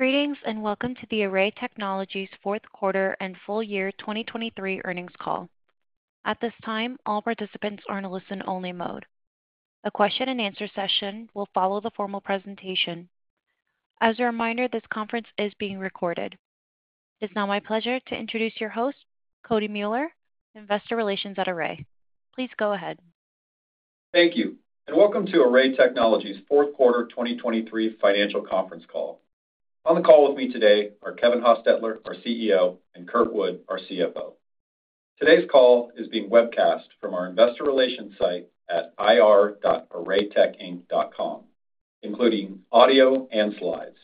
Greetings, and welcome to the Array Technologies fourth quarter and full-year 2023 earnings call. At this time, all participants are in a listen-only mode. A question-and-answer session will follow the formal presentation. As a reminder, this conference is being recorded. It's now my pleasure to introduce your host, Cody Mueller, Investor Relations at Array. Please go ahead. Thank you, and welcome to Array Technologies fourth quarter 2023 financial conference call. On the call with me today are Kevin Hostetler, our CEO, and Kurt Wood, our CFO. Today's call is being webcast from our Investor Relations site at ir.arraytechinc.com, including audio and slides.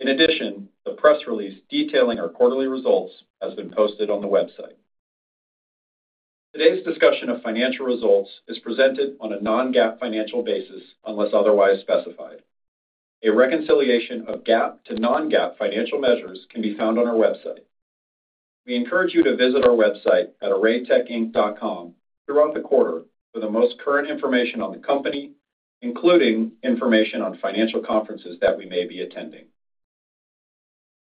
In addition, the press release detailing our quarterly results has been posted on the website. Today's discussion of financial results is presented on a non-GAAP financial basis, unless otherwise specified. A reconciliation of GAAP to non-GAAP financial measures can be found on our website. We encourage you to visit our website at arraytechinc.com throughout the quarter for the most current information on the company, including information on financial conferences that we may be attending.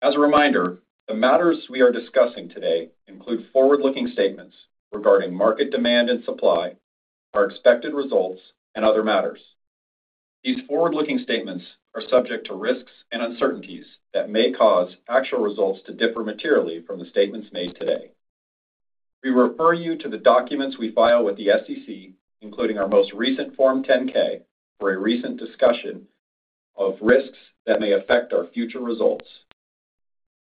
As a reminder, the matters we are discussing today include forward-looking statements regarding market demand and supply, our expected results, and other matters. These forward-looking statements are subject to risks and uncertainties that may cause actual results to differ materially from the statements made today. We refer you to the documents we file with the SEC, including our most recent Form 10-K, for a recent discussion of risks that may affect our future results.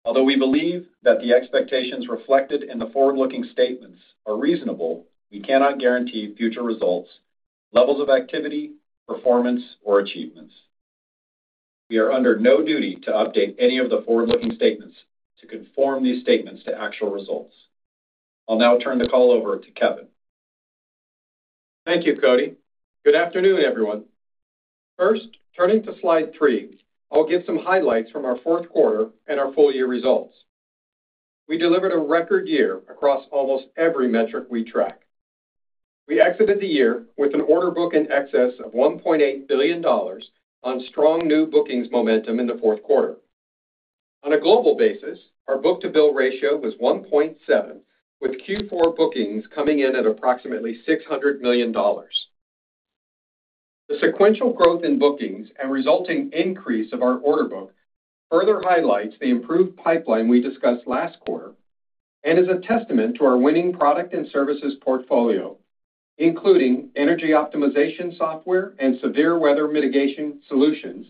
Although we believe that the expectations reflected in the forward-looking statements are reasonable, we cannot guarantee future results, levels of activity, performance, or achievements. We are under no duty to update any of the forward-looking statements to conform these statements to actual results. I'll now turn the call over to Kevin. Thank you, Cody. Good afternoon, everyone. First, turning to slide three, I'll give some highlights from our fourth quarter and our full-year results. We delivered a record year across almost every metric we track. We exited the year with an order book in excess of $1.8 billion on strong new bookings momentum in the fourth quarter. On a global basis, our book-to-bill ratio was 1.7, with Q4 bookings coming in at approximately $600 million. The sequential growth in bookings and resulting increase of our order book further highlights the improved pipeline we discussed last quarter and is a testament to our winning product and services portfolio, including energy optimization software and severe weather mitigation solutions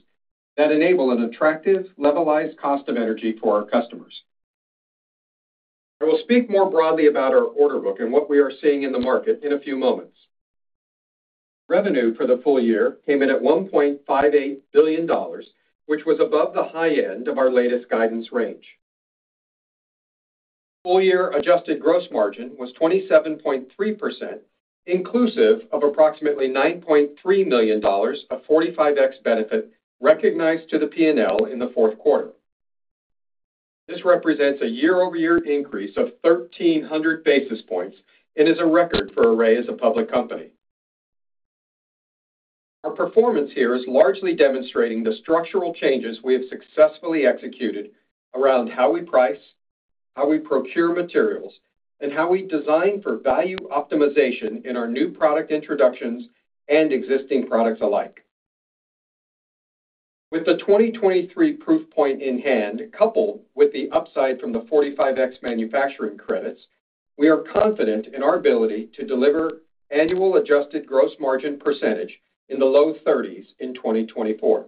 that enable an attractive levelized cost of energy for our customers. I will speak more broadly about our order book and what we are seeing in the market in a few moments. Revenue for the full year came in at $1.58 billion, which was above the high end of our latest guidance range. Full-year adjusted gross margin was 27.3%, inclusive of approximately $9.3 million of 45X benefit recognized to the P&L in the fourth quarter. This represents a year-over-year increase of 1,300 basis points and is a record for Array as a public company. Our performance here is largely demonstrating the structural changes we have successfully executed around how we price, how we procure materials, and how we design for value optimization in our new product introductions and existing products alike. With the 2023 proof point in hand, coupled with the upside from the 45X manufacturing credits, we are confident in our ability to deliver annual adjusted gross margin percentage in the low 30s in 2024.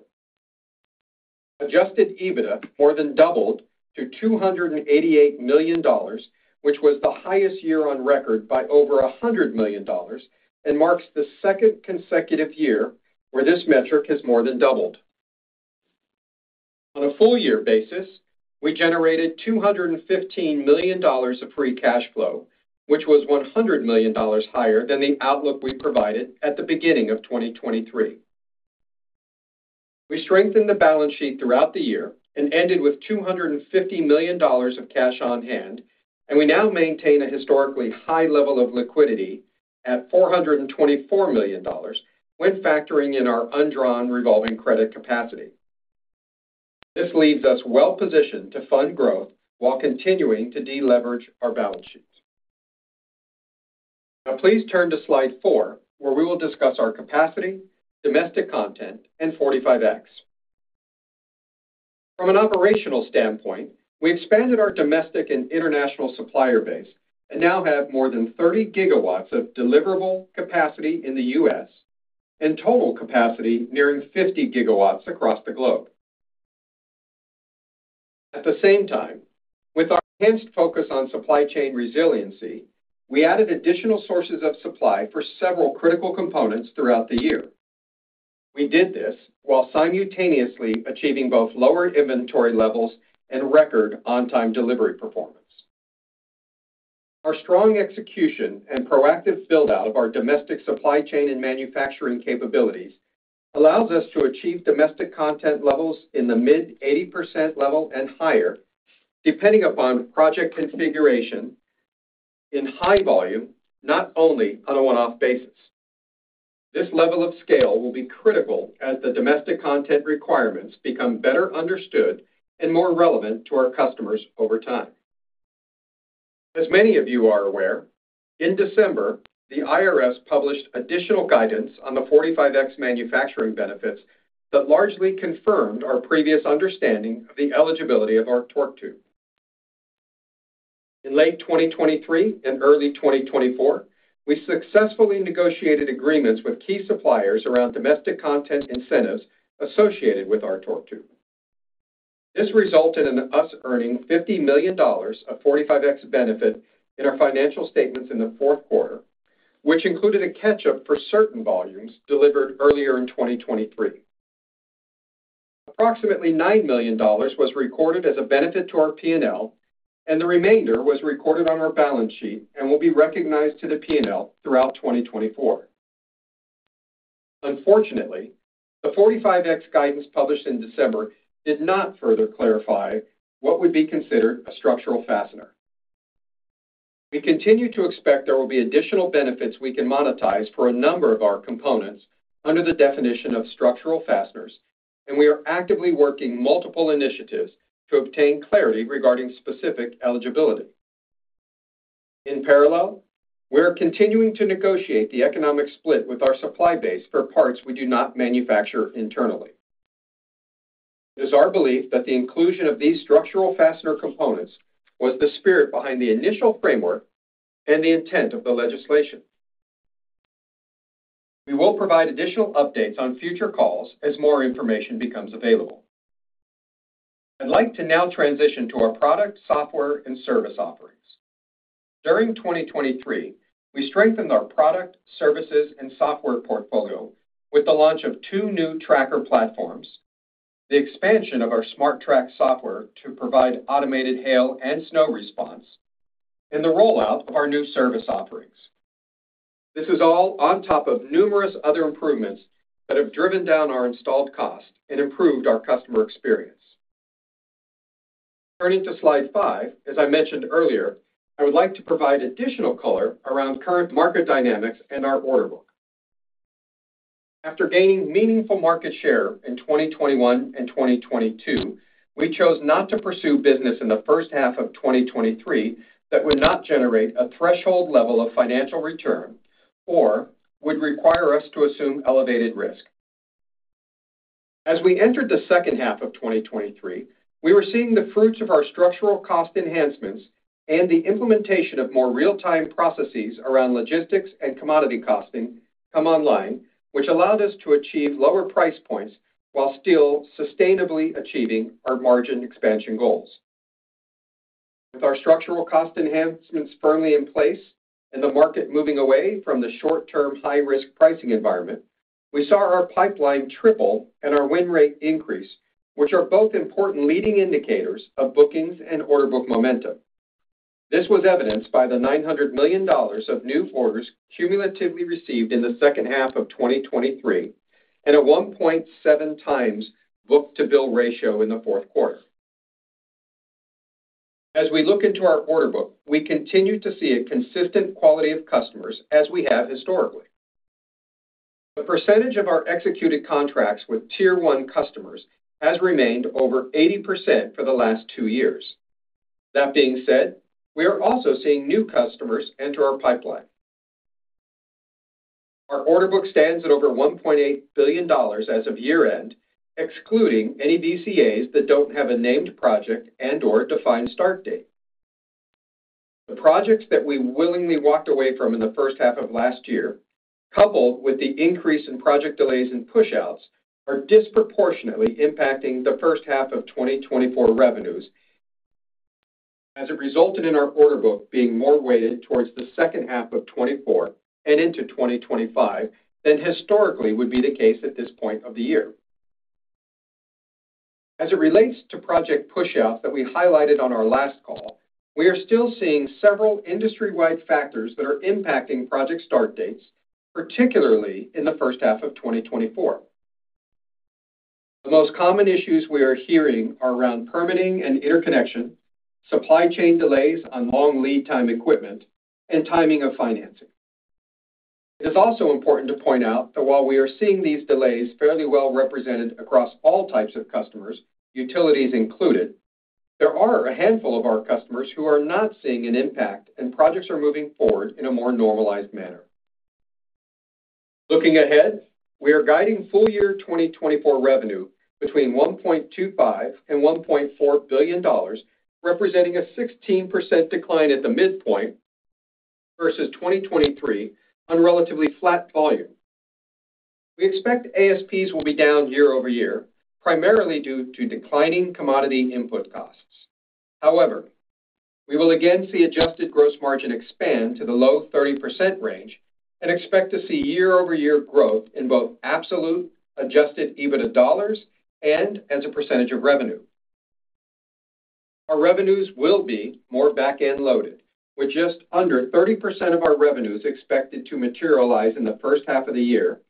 Adjusted EBITDA more than doubled to $288 million, which was the highest year on record by over $100 million and marks the second consecutive year where this metric has more than doubled. On a full-year basis, we generated $215 million of free cash flow, which was $100 million higher than the outlook we provided at the beginning of 2023. We strengthened the balance sheet throughout the year and ended with $250 million of cash on hand, and we now maintain a historically high level of liquidity at $424 million when factoring in our undrawn revolving credit capacity. This leaves us well positioned to fund growth while continuing to deleverage our balance sheets. Now, please turn to slide four, where we will discuss our capacity, domestic content, and 45X. From an operational standpoint, we expanded our domestic and international supplier base and now have more than 30 GW of deliverable capacity in the U.S., and total capacity nearing 50 GW across the globe. At the same time, with our enhanced focus on supply chain resiliency, we added additional sources of supply for several critical components throughout the year. We did this while simultaneously achieving both lower inventory levels and record on-time delivery performance. Our strong execution and proactive build-out of our domestic supply chain and manufacturing capabilities allows us to achieve domestic content levels in the mid-80% level and higher, depending upon project configuration in high volume, not only on a one-off basis. This level of scale will be critical as the domestic content requirements become better understood and more relevant to our customers over time. As many of you are aware, in December, the IRS published additional guidance on the 45X manufacturing benefits that largely confirmed our previous understanding of the eligibility of our torque tube. In late 2023 and early 2024, we successfully negotiated agreements with key suppliers around domestic content incentives associated with our torque tube. This resulted in us earning $50 million of 45X benefit in our financial statements in the fourth quarter, which included a catch-up for certain volumes delivered earlier in 2023. Approximately $9 million was recorded as a benefit to our P&L, and the remainder was recorded on our balance sheet and will be recognized to the P&L throughout 2024. Unfortunately, the 45X guidance published in December did not further clarify what would be considered a structural fastener. We continue to expect there will be additional benefits we can monetize for a number of our components under the definition of structural fasteners, and we are actively working multiple initiatives to obtain clarity regarding specific eligibility. In parallel, we are continuing to negotiate the economic split with our supply base for parts we do not manufacture internally. It is our belief that the inclusion of these structural fastener components was the spirit behind the initial framework and the intent of the legislation. We will provide additional updates on future calls as more information becomes available. I'd like to now transition to our product, software, and service offerings. During 2023, we strengthened our product, services, and software portfolio with the launch of two new tracker platforms, the expansion of our SmarTrack software to provide automated hail and snow response, and the rollout of our new service offerings. This is all on top of numerous other improvements that have driven down our installed cost and improved our customer experience. Turning to slide five, as I mentioned earlier, I would like to provide additional color around current market dynamics and our order book. After gaining meaningful market share in 2021 and 2022, we chose not to pursue business in the first half of 2023 that would not generate a threshold level of financial return or would require us to assume elevated risk. As we entered the second half of 2023, we were seeing the fruits of our structural cost enhancements and the implementation of more real-time processes around logistics and commodity costing come online, which allowed us to achieve lower price points while still sustainably achieving our margin expansion goals. With our structural cost enhancements firmly in place and the market moving away from the short-term, high-risk pricing environment, we saw our pipeline triple and our win rate increase, which are both important leading indicators of bookings and order book momentum. This was evidenced by the $900 million of new orders cumulatively received in the second half of 2023 and a 1.7x book-to-bill ratio in the fourth quarter. As we look into our order book, we continue to see a consistent quality of customers as we have historically. The percentage of our executed contracts with tier one customers has remained over 80% for the last two years. That being said, we are also seeing new customers enter our pipeline. Our order book stands at over $1.8 billion as of year-end, excluding any BCAs that don't have a named project and or defined start date. The projects that we willingly walked away from in the first half of last year, coupled with the increase in project delays and pushouts, are disproportionately impacting the first half of 2024 revenues as it resulted in our order book being more weighted towards the second half of 2024 and into 2025 than historically would be the case at this point of the year. As it relates to project pushout that we highlighted on our last call, we are still seeing several industry-wide factors that are impacting project start dates, particularly in the first half of 2024. The most common issues we are hearing are around permitting and interconnection, supply chain delays on long lead time equipment, and timing of financing. It is also important to point out that while we are seeing these delays fairly well represented across all types of customers, utilities included, there are a handful of our customers who are not seeing an impact and projects are moving forward in a more normalized manner. Looking ahead, we are guiding full-year 2024 revenue between $1.25 billion and $1.4 billion, representing a 16% decline at the midpoint versus 2023 on relatively flat volume. We expect ASPs will be down year-over-year, primarily due to declining commodity input costs. However, we will again see adjusted gross margin expand to the low 30% range and expect to see year-over-year growth in both absolute adjusted EBITDA dollars and as a percentage of revenue. Our revenues will be more back-end loaded, with just under 30% of our revenues expected to materialize in the first half of the year,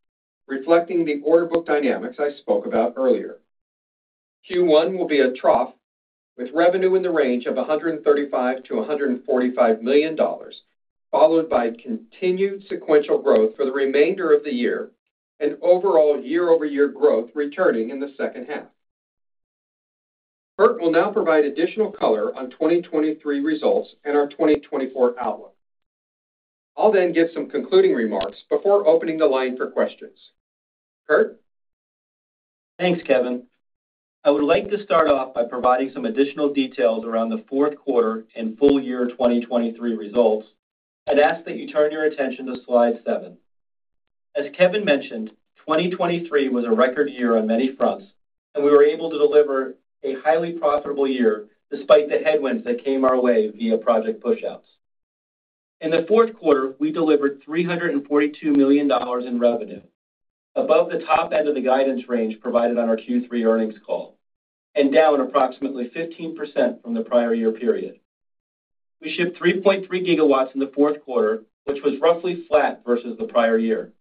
reflecting the order book dynamics I spoke about earlier. Q1 will be a trough, with revenue in the range of $135 million-$145 million, followed by continued sequential growth for the remainder of the year, and overall year-over-year growth returning in the second half. Kurt will now provide additional color on 2023 results and our 2024 outlook. I'll then give some concluding remarks before opening the line for questions. Kurt? Thanks, Kevin. I would like to start off by providing some additional details around the fourth quarter and full-year 2023 results. I'd ask that you turn your attention to slide seven. As Kevin mentioned, 2023 was a record year on many fronts, and we were able to deliver a highly profitable year despite the headwinds that came our way via project pushouts. In the fourth quarter, we delivered $342 million in revenue, above the top end of the guidance range provided on our Q3 earnings call, and down approximately 15% from the prior year period. We shipped 3.3 GW in the fourth quarter, which was roughly flat versus the prior year.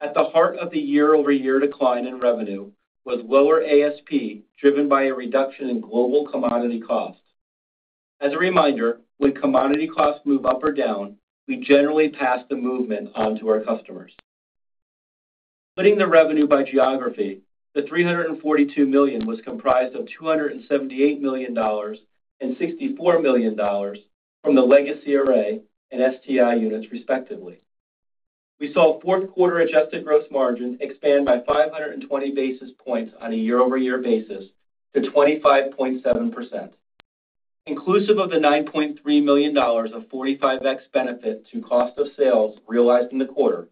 At the heart of the year-over-year decline in revenue was lower ASP, driven by a reduction in global commodity costs. As a reminder, when commodity costs move up or down, we generally pass the movement on to our customers. Splitting the revenue by geography, the $342 million was comprised of $278 million and $64 million from the Legacy Array and STI units, respectively. We saw fourth quarter adjusted gross margin expand by 520 basis points on a year-over-year basis to 25.7%. Inclusive of the $9.3 million of 45X benefit to cost of sales realized in the quarter,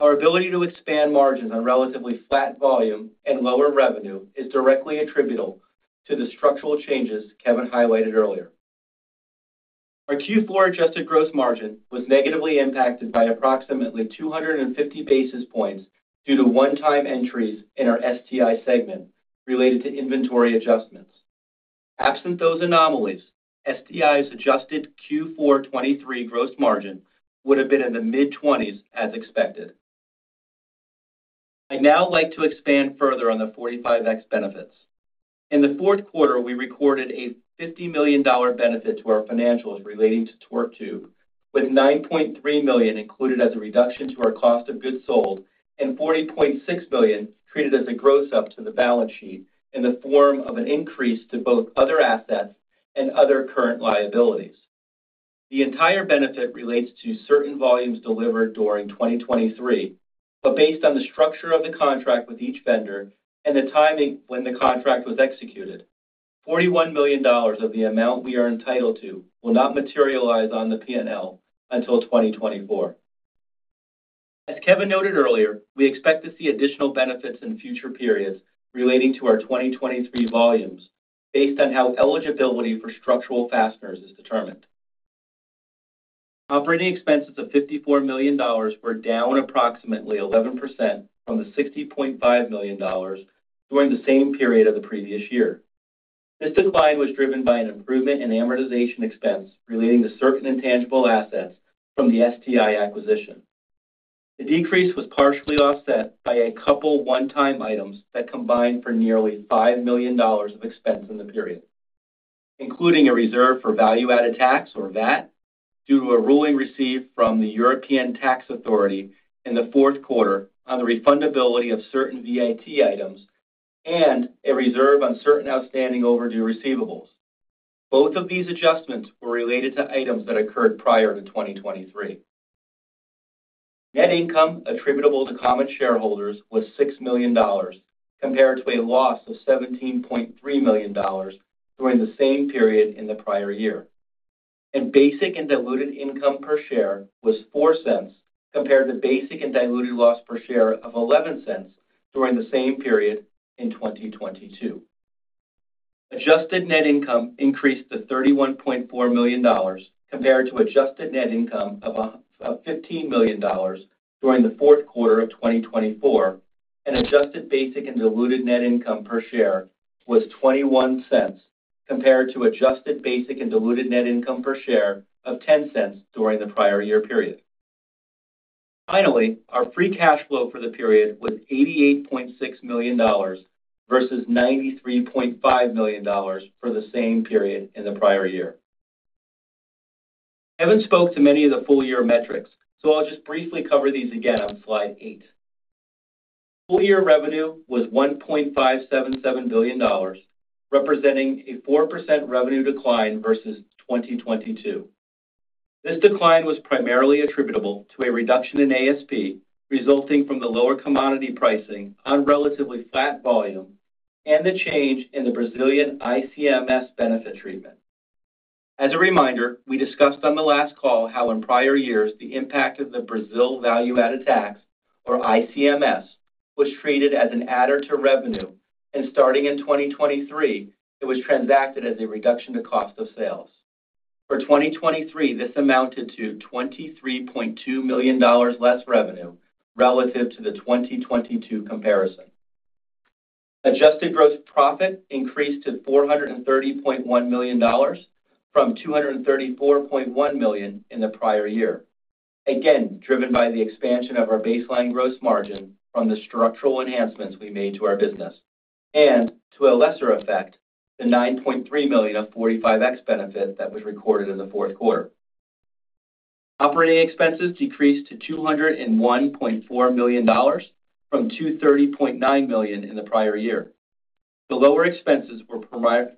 our ability to expand margins on relatively flat volume and lower revenue is directly attributable to the structural changes Kevin highlighted earlier. Our Q4 adjusted gross margin was negatively impacted by approximately 250 basis points due to one-time entries in our STI segment related to inventory adjustments. Absent those anomalies, STI's adjusted Q4 2023 gross margin would have been in the mid-twenties, as expected. I'd now like to expand further on the 45X benefits. In the fourth quarter, we recorded a $50 million benefit to our financials relating to torque tube, with $9.3 million included as a reduction to our cost of goods sold and $40.6 million treated as a gross up to the balance sheet in the form of an increase to both other assets and other current liabilities. The entire benefit relates to certain volumes delivered during 2023, but based on the structure of the contract with each vendor and the timing when the contract was executed, $41 million of the amount we are entitled to will not materialize on the P&L until 2024. As Kevin noted earlier, we expect to see additional benefits in future periods relating to our 2023 volumes, based on how eligibility for structural fasteners is determined. Operating expenses of $54 million were down approximately 11% from the $60.5 million during the same period of the previous year. This decline was driven by an improvement in amortization expense relating to certain intangible assets from the STI acquisition. The decrease was partially offset by a couple one-time items that combined for nearly $5 million of expense in the period, including a reserve for value-added tax, or VAT, due to a ruling received from the European Tax Authority in the fourth quarter on the refundability of certain VAT items and a reserve on certain outstanding overdue receivables. Both of these adjustments were related to items that occurred prior to 2023. Net income attributable to common shareholders was $6 million, compared to a loss of $17.3 million during the same period in the prior year. Basic and diluted income per share was $0.04, compared to basic and diluted loss per share of $0.11 during the same period in 2022. Adjusted net income increased to $31.4 million, compared to adjusted net income of $15 million during the fourth quarter of 2024, and adjusted basic and diluted net income per share was $0.21, compared to adjusted basic and diluted net income per share of $0.10 during the prior year period. Finally, our free cash flow for the period was $88.6 million, versus $93.5 million for the same period in the prior year. Kevin spoke to many of the full-year metrics, so I'll just briefly cover these again on slide eight. Full-year revenue was $1.577 billion, representing a 4% revenue decline versus 2022. This decline was primarily attributable to a reduction in ASP, resulting from the lower commodity pricing on relatively flat volume and the change in the Brazilian ICMS benefit treatment. As a reminder, we discussed on the last call how in prior years, the impact of the Brazil value-added tax, or ICMS, was treated as an adder to revenue, and starting in 2023, it was transacted as a reduction to cost of sales. For 2023, this amounted to $23.2 million less revenue relative to the 2022 comparison. Adjusted gross profit increased to $430.1 million from $234.1 million in the prior year, again, driven by the expansion of our baseline gross margin from the structural enhancements we made to our business, and to a lesser effect, the $9.3 million of 45X benefit that was recorded in the fourth quarter. Operating expenses decreased to $201.4 million from $230.9 million in the prior year. The lower expenses were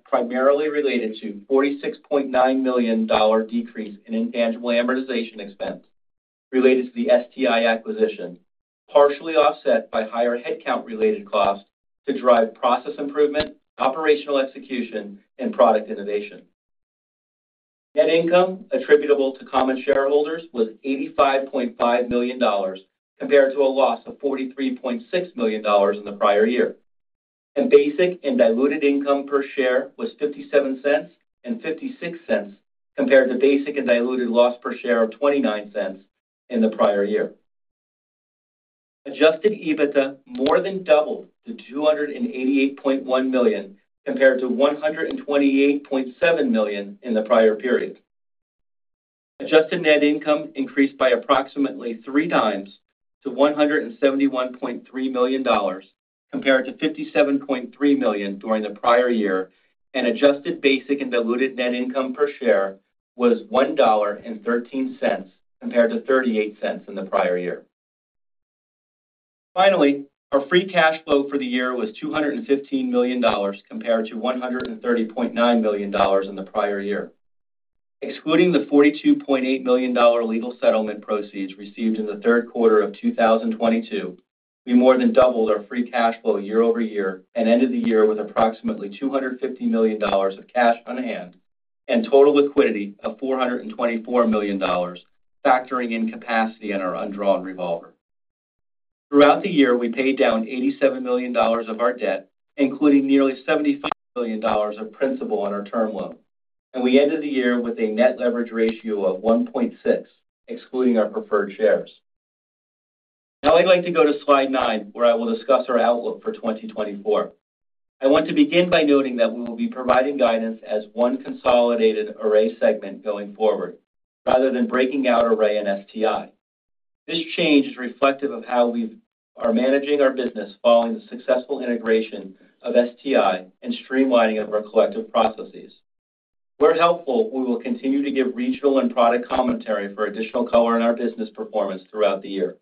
primarily related to $46.9 million decrease in intangible amortization expense related to the STI acquisition, partially offset by higher headcount related costs to drive process improvement, operational execution, and product innovation. Net income attributable to common shareholders was $85.5 million, compared to a loss of $43.6 million in the prior year. Basic and diluted income per share was $0.57 and $0.56, compared to basic and diluted loss per share of $0.29 in the prior year. Adjusted EBITDA more than doubled to $288.1 million, compared to $128.7 million in the prior period. Adjusted net income increased by approximately three times to $171.3 million, compared to $57.3 million during the prior year, and adjusted basic and diluted net income per share was $1.13, compared to $0.38 in the prior year. Finally, our free cash flow for the year was $215 million, compared to $130.9 million in the prior year. Excluding the $42.8 million legal settlement proceeds received in the third quarter of 2022, we more than doubled our free cash flow year-over-year and ended the year with approximately $250 million of cash on hand and total liquidity of $424 million, factoring in capacity on our undrawn revolver. Throughout the year, we paid down $87 million of our debt, including nearly $75 million of principal on our term loan, and we ended the year with a net leverage ratio of 1.6, excluding our preferred shares. Now, I'd like to go to slide nine, where I will discuss our outlook for 2024. I want to begin by noting that we will be providing guidance as one consolidated Array segment going forward, rather than breaking out Array and STI. This change is reflective of how we are managing our business following the successful integration of STI and streamlining of our collective processes. Where helpful, we will continue to give regional and product commentary for additional color on our business performance throughout the year.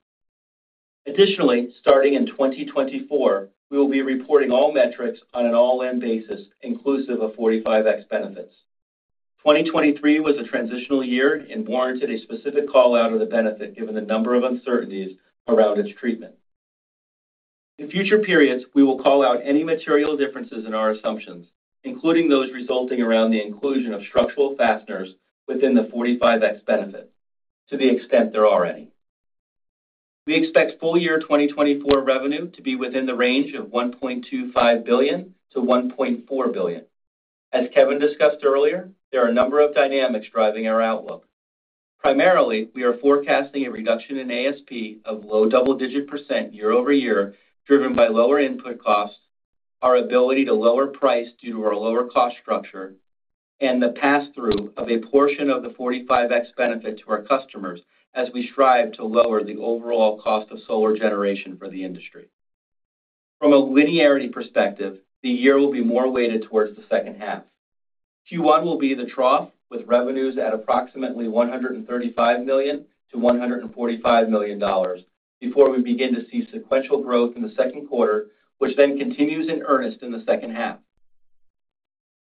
Additionally, starting in 2024, we will be reporting all metrics on an all-in basis, inclusive of 45X benefits. 2023 was a transitional year and warranted a specific call out of the benefit, given the number of uncertainties around its treatment. In future periods, we will call out any material differences in our assumptions, including those resulting around the inclusion of structural fasteners within the 45X benefit, to the extent there are any. We expect full-year 2024 revenue to be within the range of $1.25 billion-$1.4 billion. As Kevin discussed earlier, there are a number of dynamics driving our outlook. Primarily, we are forecasting a reduction in ASP of low double-digit percent year-over-year, driven by lower input costs, our ability to lower price due to our lower cost structure, and the pass-through of a portion of the 45X benefit to our customers as we strive to lower the overall cost of solar generation for the industry. From a linearity perspective, the year will be more weighted towards the second half. Q1 will be the trough, with revenues at approximately $135 million-$145 million, before we begin to see sequential growth in the second quarter, which then continues in earnest in the second half.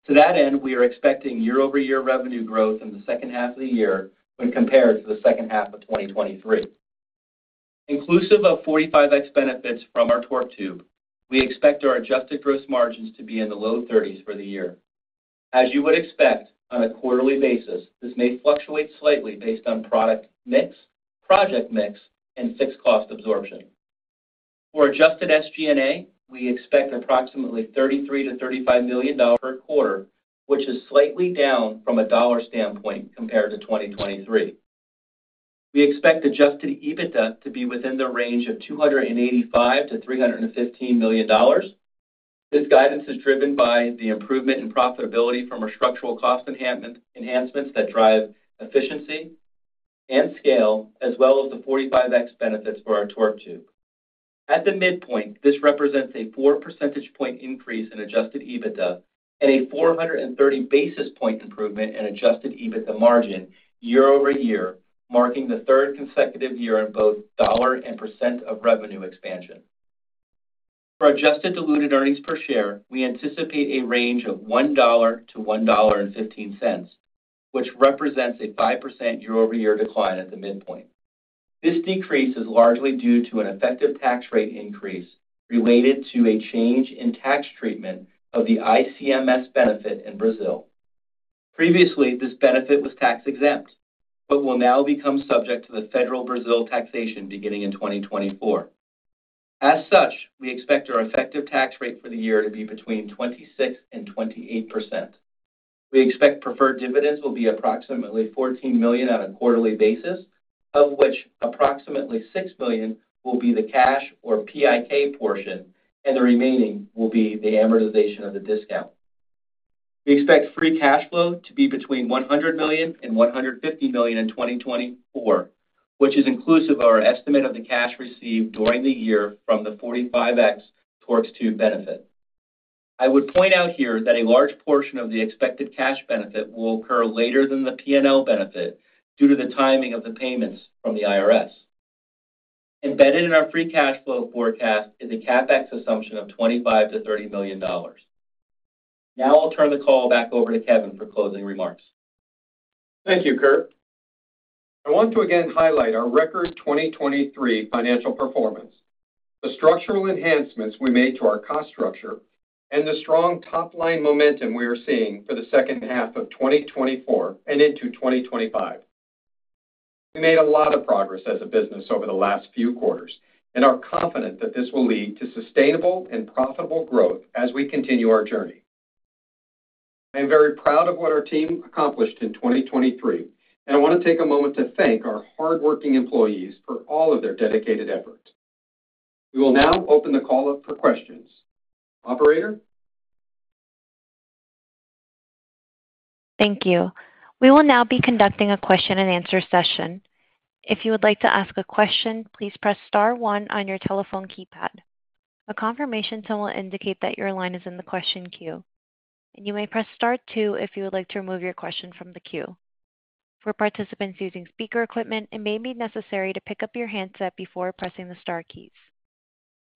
To that end, we are expecting year-over-year revenue growth in the second half of the year when compared to the second half of 2023. Inclusive of 45X benefits from our torque tube, we expect our adjusted gross margins to be in the low 30s for the year. As you would expect, on a quarterly basis, this may fluctuate slightly based on product mix, project mix, and fixed cost absorption. For adjusted SG&A, we expect approximately $33 million-$35 million per quarter, which is slightly down from a dollar standpoint compared to 2023. We expect adjusted EBITDA to be within the range of $285 million-$315 million. This guidance is driven by the improvement in profitability from our structural cost enhancements that drive efficiency and scale, as well as the 45X benefits for our torque tube. At the midpoint, this represents a 4-percentage point increase in adjusted EBITDA and a 430-basis point improvement in adjusted EBITDA margin year-over-year, marking the third consecutive year in both dollar and percent of revenue expansion. For adjusted diluted earnings per share, we anticipate a range of $1-$1.15, which represents a 5% year-over-year decline at the midpoint. This decrease is largely due to an effective tax rate increase related to a change in tax treatment of the ICMS benefit in Brazil. Previously, this benefit was tax-exempt, but will now become subject to the federal Brazil taxation beginning in 2024. As such, we expect our effective tax rate for the year to be between 26% and 28%. We expect preferred dividends will be approximately $14 million on a quarterly basis, of which approximately $6 million will be the cash or PIK portion, and the remaining will be the amortization of the discount. We expect free cash flow to be between $100 million and $150 million in 2024, which is inclusive of our estimate of the cash received during the year from the 45X tax credit benefit. I would point out here that a large portion of the expected cash benefit will occur later than the P&L benefit due to the timing of the payments from the IRS. Embedded in our free cash flow forecast is a CapEx assumption of $25 million-$30 million. Now I'll turn the call back over to Kevin for closing remarks. Thank you, Kurt. I want to again highlight our record 2023 financial performance, the structural enhancements we made to our cost structure, and the strong top-line momentum we are seeing for the second half of 2024 and into 2025. We made a lot of progress as a business over the last few quarters and are confident that this will lead to sustainable and profitable growth as we continue our journey. I am very proud of what our team accomplished in 2023, and I want to take a moment to thank our hardworking employees for all of their dedicated efforts. We will now open the call up for questions. Operator? Thank you. We will now be conducting a question-and-answer session. If you would like to ask a question, please press star one on your telephone keypad. A confirmation tone will indicate that your line is in the question queue, and you may press star two if you would like to remove your question from the queue. For participants using speaker equipment, it may be necessary to pick up your handset before pressing the star keys.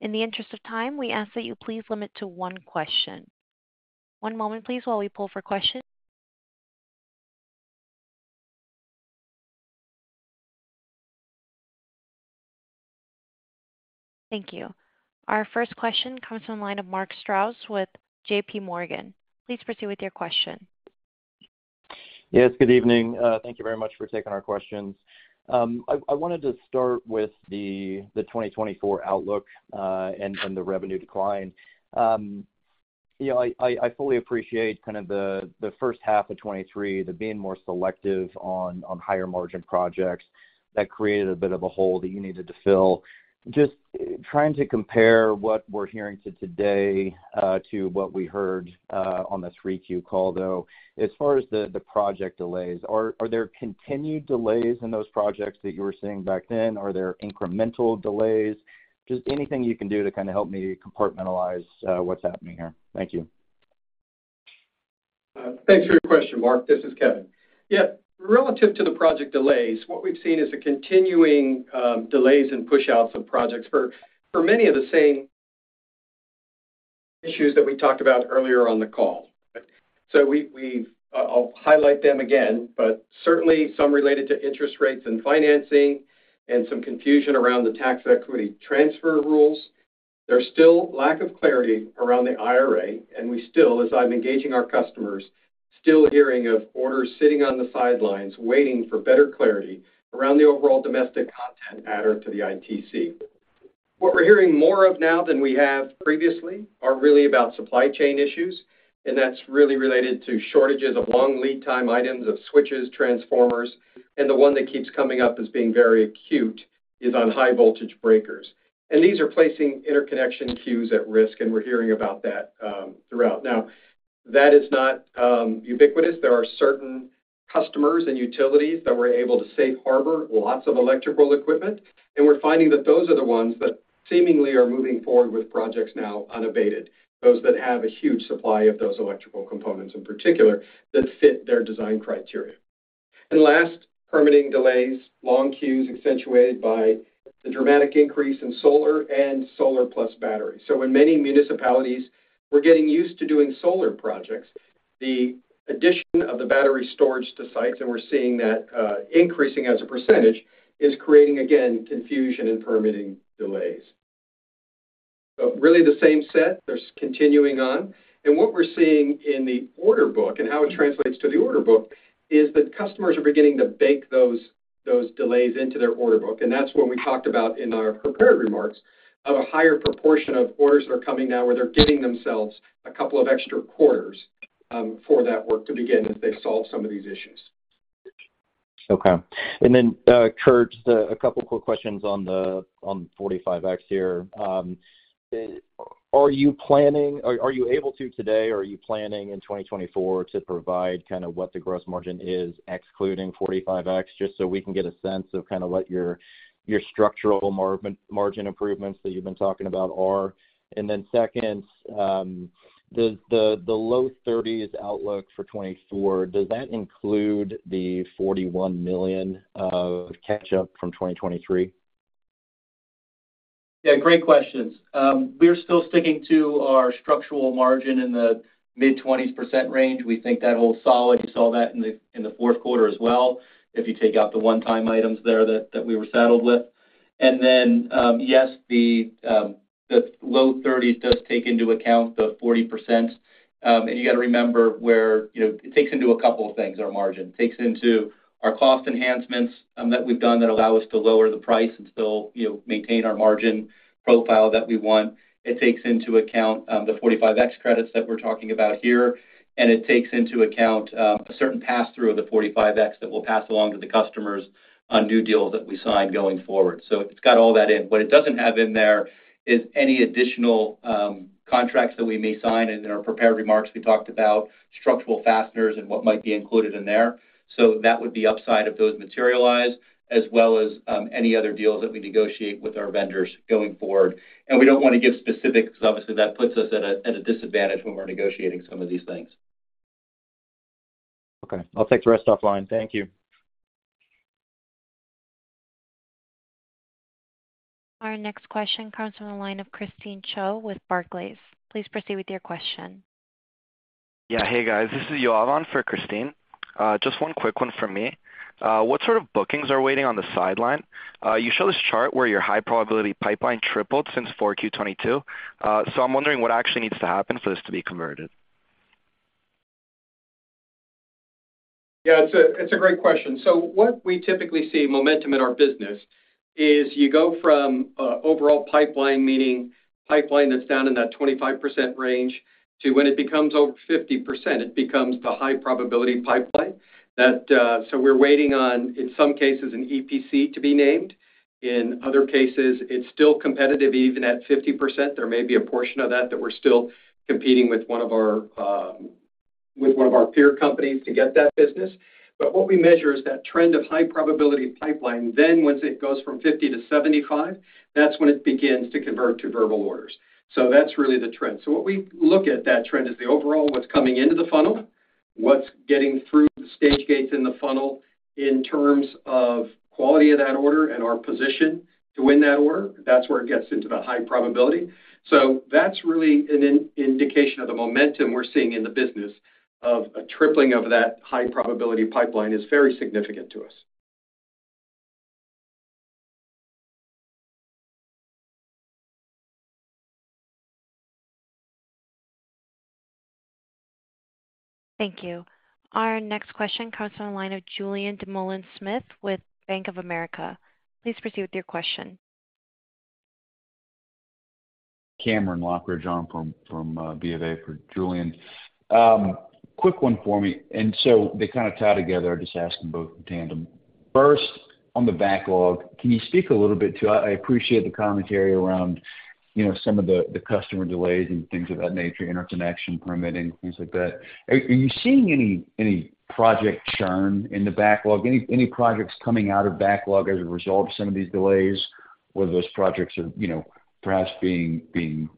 In the interest of time, we ask that you please limit to one question. One moment please, while we pull for questions. Thank you. Our first question comes from the line of Mark Strouse with JPMorgan. Please proceed with your question. Yes, good evening. Thank you very much for taking our questions. I wanted to start with the 2024 outlook and the revenue decline. You know, I fully appreciate kind of the first half of 2023, the being more selective on higher margin projects that created a bit of a hole that you needed to fill. Just trying to compare what we're hearing to today, to what we heard on this 3Q call, though. As far as the project delays, are there continued delays in those projects that you were seeing back then? Are there incremental delays? Just anything you can do to kind of help me compartmentalize what's happening here. Thank you. Thanks for your question, Mark. This is Kevin. Yeah, relative to the project delays, what we've seen is a continuing delays and pushouts of projects for many of the same issues that we talked about earlier on the call. So we've. I'll highlight them again, but certainly some related to interest rates and financing and some confusion around the tax equity transfer rules. There's still lack of clarity around the IRA, and we still, as I'm engaging our customers, still hearing of orders sitting on the sidelines, waiting for better clarity around the overall domestic content matter to the ITC. What we're hearing more of now than we have previously are really about supply chain issues, and that's really related to shortages of long lead time items, of switches, transformers, and the one that keeps coming up as being very acute is on high voltage breakers. And these are placing interconnection queues at risk, and we're hearing about that throughout. Now, that is not ubiquitous. There are certain customers and utilities that were able to safe harbor lots of electrical equipment, and we're finding that those are the ones that seemingly are moving forward with projects now unabated, those that have a huge supply of those electrical components, in particular, that fit their design criteria. And last, permitting delays, long queues accentuated by the dramatic increase in solar and solar-plus battery. So in many municipalities, we're getting used to doing solar projects. The addition of the battery storage to sites, and we're seeing that increasing as a percentage, is creating, again, confusion and permitting delays. So really the same set that's continuing on. What we're seeing in the order book and how it translates to the order book is that customers are beginning to bake those, those delays into their order book, and that's what we talked about in our prepared remarks of a higher proportion of orders that are coming now, where they're giving themselves a couple of extra quarters before that work to begin as they solve some of these issues. Okay. And then, Kurt, just a couple quick questions on the, on 45X here. Are you able to today, or are you planning in 2024 to provide kind of what the gross margin is, excluding 45X, just so we can get a sense of kind of what your structural margin improvements that you've been talking about are? And then second, the low 30s outlook for 2024, does that include the $41 million of catch-up from 2023? Yeah, great questions. We're still sticking to our structural margin in the mid-20% range. We think that holds solid. You saw that in the fourth quarter as well, if you take out the one-time items there that we were saddled with. And then, yes, the low 30s does take into account the 40%. And you got to remember, you know, it takes into a couple of things, our margin. Takes into our cost enhancements that we've done that allow us to lower the price and still, you know, maintain our margin profile that we want. It takes into account the 45X credits that we're talking about here, and it takes into account a certain pass-through of the 45X that we'll pass along to the customers on new deals that we sign going forward. So it's got all that in. What it doesn't have in there is any additional contracts that we may sign, and in our prepared remarks, we talked about structural fasteners and what might be included in there. So that would be upside if those materialize, as well as any other deals that we negotiate with our vendors going forward. And we don't want to give specifics, because obviously, that puts us at a, at a disadvantage when we're negotiating some of these things. Okay, I'll take the rest offline. Thank you. Our next question comes from the line of Christine Cho with Barclays. Please proceed with your question. Yeah. Hey, guys, this is Yovan for Christine. Just one quick one from me. What sort of bookings are waiting on the sideline? You show this chart where your high probability pipeline tripled since 4Q 2022. So I'm wondering what actually needs to happen for this to be converted? Yeah, it's a great question. So what we typically see momentum in our business is you go from overall pipeline, meaning pipeline that's down in that 25% range, to when it becomes over 50%, it becomes the high probability pipeline. That, so we're waiting on, in some cases, an EPC to be named. In other cases, it's still competitive even at 50%. There may be a portion of that that we're still competing with one of our peer companies to get that business. But what we measure is that trend of high probability pipeline. Then, once it goes from 50%-75%, that's when it begins to convert to verbal orders. So that's really the trend. So what we look at that trend is the overall, what's coming into the funnel, what's getting through the stage gates in the funnel in terms of quality of that order and our position to win that order. That's where it gets into the high probability. So that's really an indication of the momentum we're seeing in the business, of a tripling of that high probability pipeline is very significant to us. Thank you. Our next question comes from the line of Julien Dumoulin-Smith with Bank of America. Please proceed with your question. Cameron Lochridge on from BofA for Julien. Quick one for me, and so they kind of tie together. I'll just ask them both in tandem. First, on the backlog, can you speak a little bit to... I appreciate the commentary around, you know, some of the customer delays and things of that nature, interconnection permitting, things like that. Are you seeing any project churn in the backlog? Any projects coming out of backlog as a result of some of these delays, whether those projects are, you know, perhaps being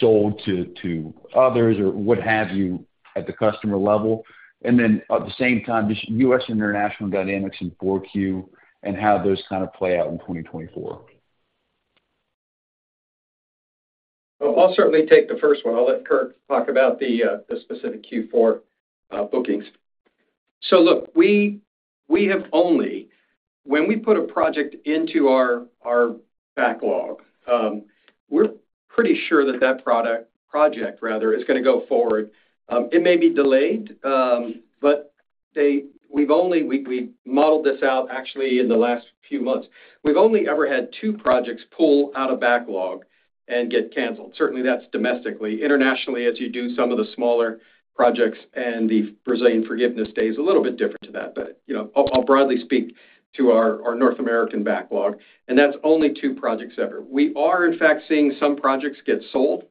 sold to others or what have you at the customer level? And then at the same time, just U.S. and international dynamics in 4Q and how those kind of play out in 2024. Well, I'll certainly take the first one. I'll let Kurt talk about the specific Q4 bookings. So look, we have only—when we put a project into our backlog, we're pretty sure that that project rather is gonna go forward. It may be delayed, but we've only—we modeled this out actually in the last few months. We've only ever had two projects pull out of backlog and get canceled. Certainly, that's domestically. Internationally, as you do some of the smaller projects, and the Brazilian Forgiveness Day is a little bit different to that, but you know, I'll broadly speak to our North American backlog, and that's only two projects ever. We are in fact seeing some projects get sold.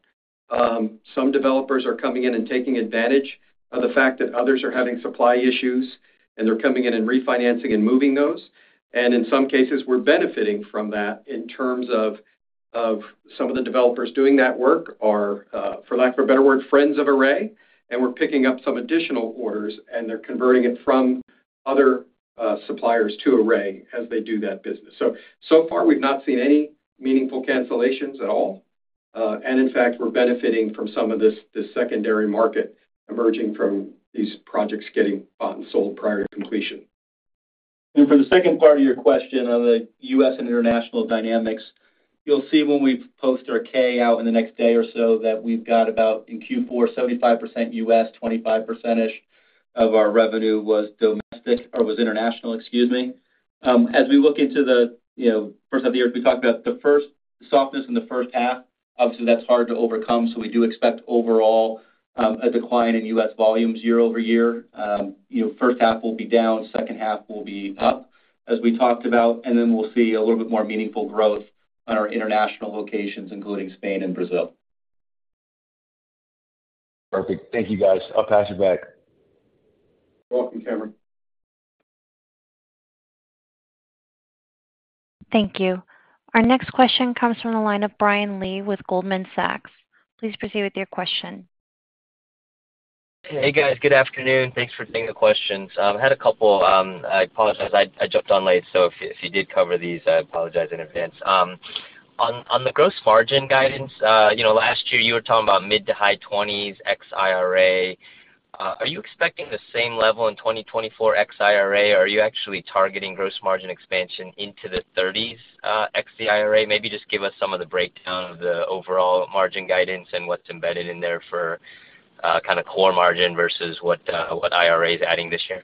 Some developers are coming in and taking advantage of the fact that others are having supply issues, and they're coming in and refinancing and moving those. In some cases, we're benefiting from that in terms of, of some of the developers doing that work are, for lack of a better word, friends of Array, and we're picking up some additional orders, and they're converting it from other suppliers to Array as they do that business. So, so far, we've not seen any meaningful cancellations at all. And in fact, we're benefiting from some of this, this secondary market emerging from these projects getting bought and sold prior to completion. For the second part of your question on the U.S. and international dynamics, you'll see when we post our K out in the next day or so, that we've got about, in Q4, 75% U.S., 25%-ish of our revenue was domestic, or was international, excuse me. As we look into the, you know, first half of the year, as we talked about, the first softness in the first half, obviously, that's hard to overcome, so we do expect overall, a decline in U.S. volumes year-over-year. You know, first half will be down, second half will be up, as we talked about, and then we'll see a little bit more meaningful growth on our international locations, including Spain and Brazil. Perfect. Thank you, guys. I'll pass it back. You're welcome, Cameron. Thank you. Our next question comes from the line of Brian Lee with Goldman Sachs. Please proceed with your question. Hey, guys. Good afternoon. Thanks for taking the questions. I had a couple. I apologize, I jumped on late, so if you did cover these, I apologize in advance. On the gross margin guidance, you know, last year, you were talking about mid- to high-20s ex-IRA. Are you expecting the same level in 2024 ex-IRA, or are you actually targeting gross margin expansion into the 30s ex-IRA? Maybe just give us some of the breakdown of the overall margin guidance and what's embedded in there for kind of core margin versus what IRA is adding this year.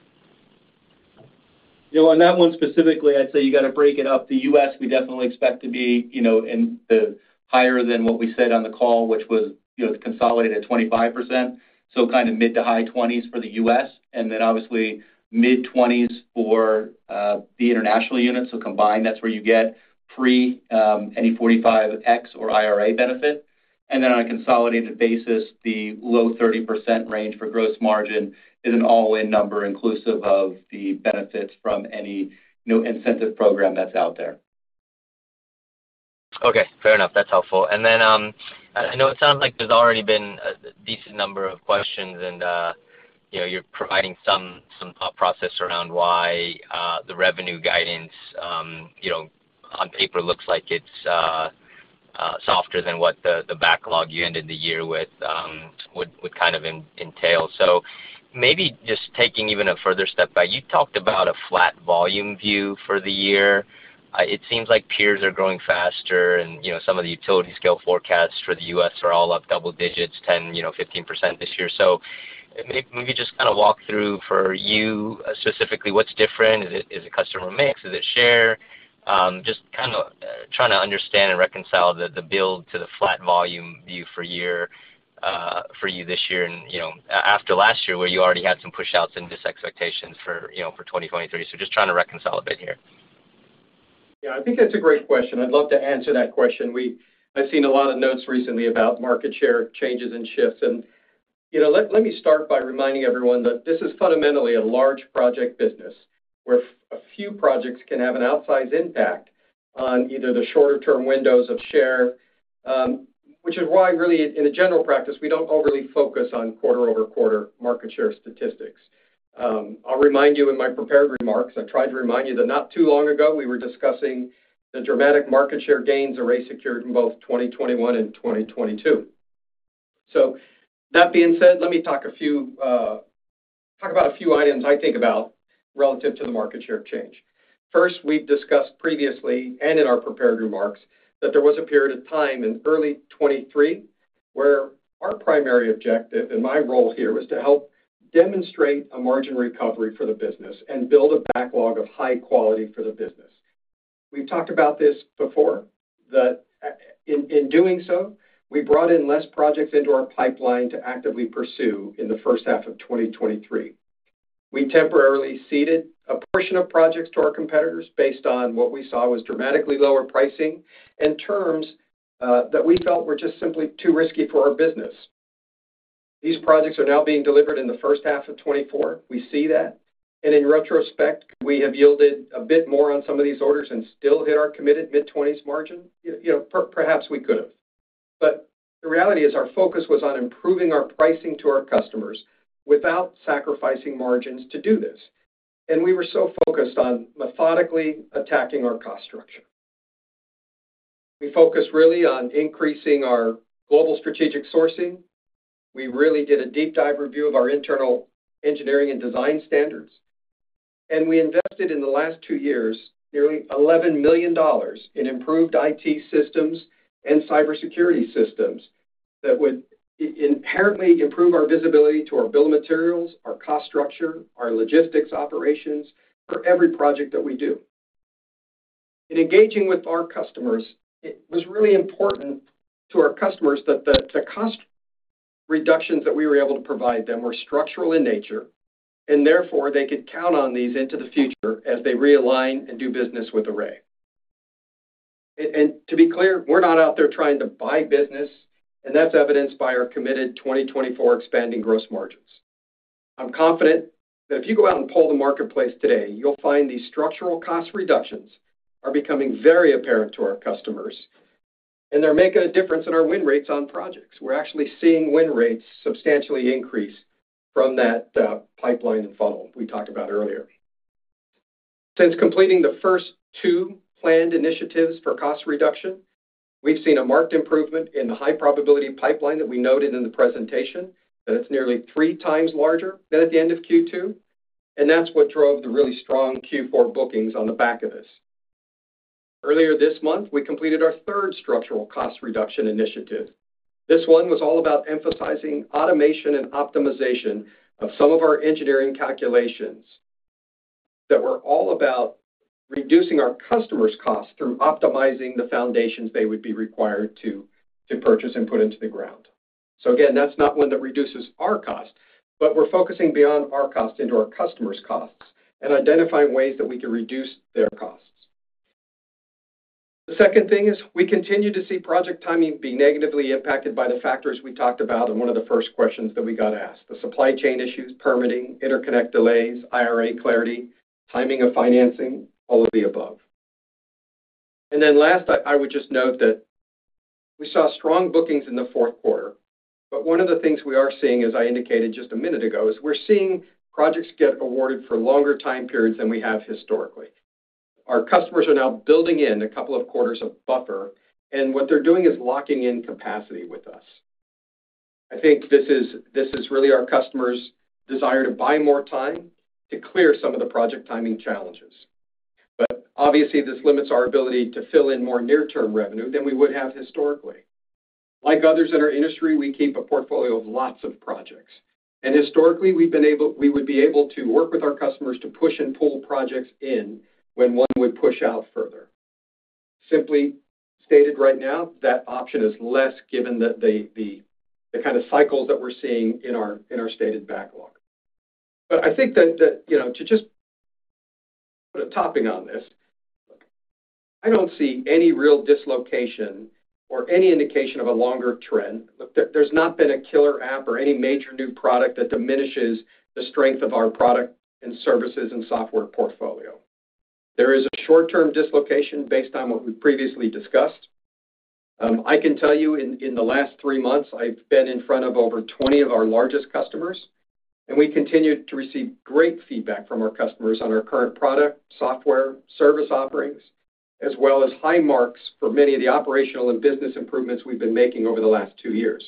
You know, on that one specifically, I'd say you got to break it up. The U.S., we definitely expect to be, you know, in the higher than what we said on the call, which was, you know, consolidated at 25%, so kind of mid- to high-20s for the U.S., and then obviously mid-20s for the international unit. So combined, that's where you get pre any 45X or IRA benefit. And then on a consolidated basis, the low 30% range for gross margin is an all-in number, inclusive of the benefits from any new incentive program that's out there. Okay, fair enough. That's helpful. And then, I know it sounds like there's already been a decent number of questions, and you know, you're providing some thought process around why the revenue guidance, you know, on paper, looks like it's softer than what the backlog you ended the year with would kind of entail. So maybe just taking even a further step back, you talked about a flat volume view for the year. It seems like peers are growing faster, and you know, some of the utility-scale forecasts for the U.S. are all up double digits, 10%, you know, 15% this year. So maybe just kind of walk through, for you specifically, what's different. Is it customer mix? Is it share? Just kinda trying to understand and reconcile the build to the flat volume view for year for you this year and, you know, after last year, where you already had some pushouts and dis-expectations for, you know, for 2023. So just trying to reconcile a bit here. Yeah, I think that's a great question. I'd love to answer that question. I've seen a lot of notes recently about market share changes and shifts, and, you know, let me start by reminding everyone that this is fundamentally a large project business, where a few projects can have an outsized impact on either the shorter-term windows of share, which is why, really, in a general practice, we don't overly focus on quarter-over-quarter market share statistics. I'll remind you, in my prepared remarks, I tried to remind you that not too long ago, we were discussing the dramatic market share gains Array secured in both 2021 and 2022. So that being said, let me talk about a few items I think about relative to the market share change. First, we've discussed previously, and in our prepared remarks, that there was a period of time in early 2023, where our primary objective, and my role here, was to help demonstrate a margin recovery for the business and build a backlog of high quality for the business. We've talked about this before, that in doing so, we brought in less projects into our pipeline to actively pursue in the first half of 2023. We temporarily ceded a portion of projects to our competitors based on what we saw was dramatically lower pricing and terms that we felt were just simply too risky for our business. These projects are now being delivered in the first half of 2024. We see that, and in retrospect, we have yielded a bit more on some of these orders and still hit our committed mid-20s margin. You know, perhaps we could have. But the reality is, our focus was on improving our pricing to our customers without sacrificing margins to do this, and we were so focused on methodically attacking our cost structure. We focused really on increasing our global strategic sourcing. We really did a deep dive review of our internal engineering and design standards, and we invested, in the last two years, nearly $11 million in improved IT systems and cybersecurity systems that would inherently improve our visibility to our bill of materials, our cost structure, our logistics operations for every project that we do. In engaging with our customers, it was really important to our customers that the cost reductions that we were able to provide them were structural in nature, and therefore, they could count on these into the future as they realign and do business with Array. And to be clear, we're not out there trying to buy business, and that's evidenced by our committed 2024 expanding gross margins. I'm confident that if you go out and poll the marketplace today, you'll find these structural cost reductions are becoming very apparent to our customers, and they're making a difference in our win rates on projects. We're actually seeing win rates substantially increase from that pipeline and funnel we talked about earlier. Since completing the first two planned initiatives for cost reduction, we've seen a marked improvement in the high-probability pipeline that we noted in the presentation, that it's nearly 3x larger than at the end of Q2, and that's what drove the really strong Q4 bookings on the back of this. Earlier this month, we completed our third structural cost reduction initiative. This one was all about emphasizing automation and optimization of some of our engineering calculations that were all about reducing our customers' costs through optimizing the foundations they would be required to purchase and put into the ground. So again, that's not one that reduces our cost, but we're focusing beyond our cost into our customers' costs and identifying ways that we can reduce their costs. The second thing is we continue to see project timing be negatively impacted by the factors we talked about in one of the first questions that we got asked: the supply chain issues, permitting, interconnect delays, IRA clarity, timing of financing, all of the above. And then last, I, I would just note that we saw strong bookings in the fourth quarter, but one of the things we are seeing, as I indicated just a minute ago, is we're seeing projects get awarded for longer time periods than we have historically. Our customers are now building in a couple of quarters of buffer, and what they're doing is locking in capacity with us. I think this is, this is really our customers' desire to buy more time to clear some of the project timing challenges. Obviously, this limits our ability to fill in more near-term revenue than we would have historically. Like others in our industry, we keep a portfolio of lots of projects, and historically, we've been able to work with our customers to push and pull projects in when one would push out further. Simply stated right now, that option is less, given that the kind of cycles that we're seeing in our stated backlog. But I think that, you know, to just put a topping on this, I don't see any real dislocation or any indication of a longer trend. There's not been a killer app or any major new product that diminishes the strength of our product and services and software portfolio. There is a short-term dislocation based on what we've previously discussed. I can tell you in the last three months, I've been in front of over 20 of our largest customers, and we continued to receive great feedback from our customers on our current product, software, service offerings, as well as high marks for many of the operational and business improvements we've been making over the last two years.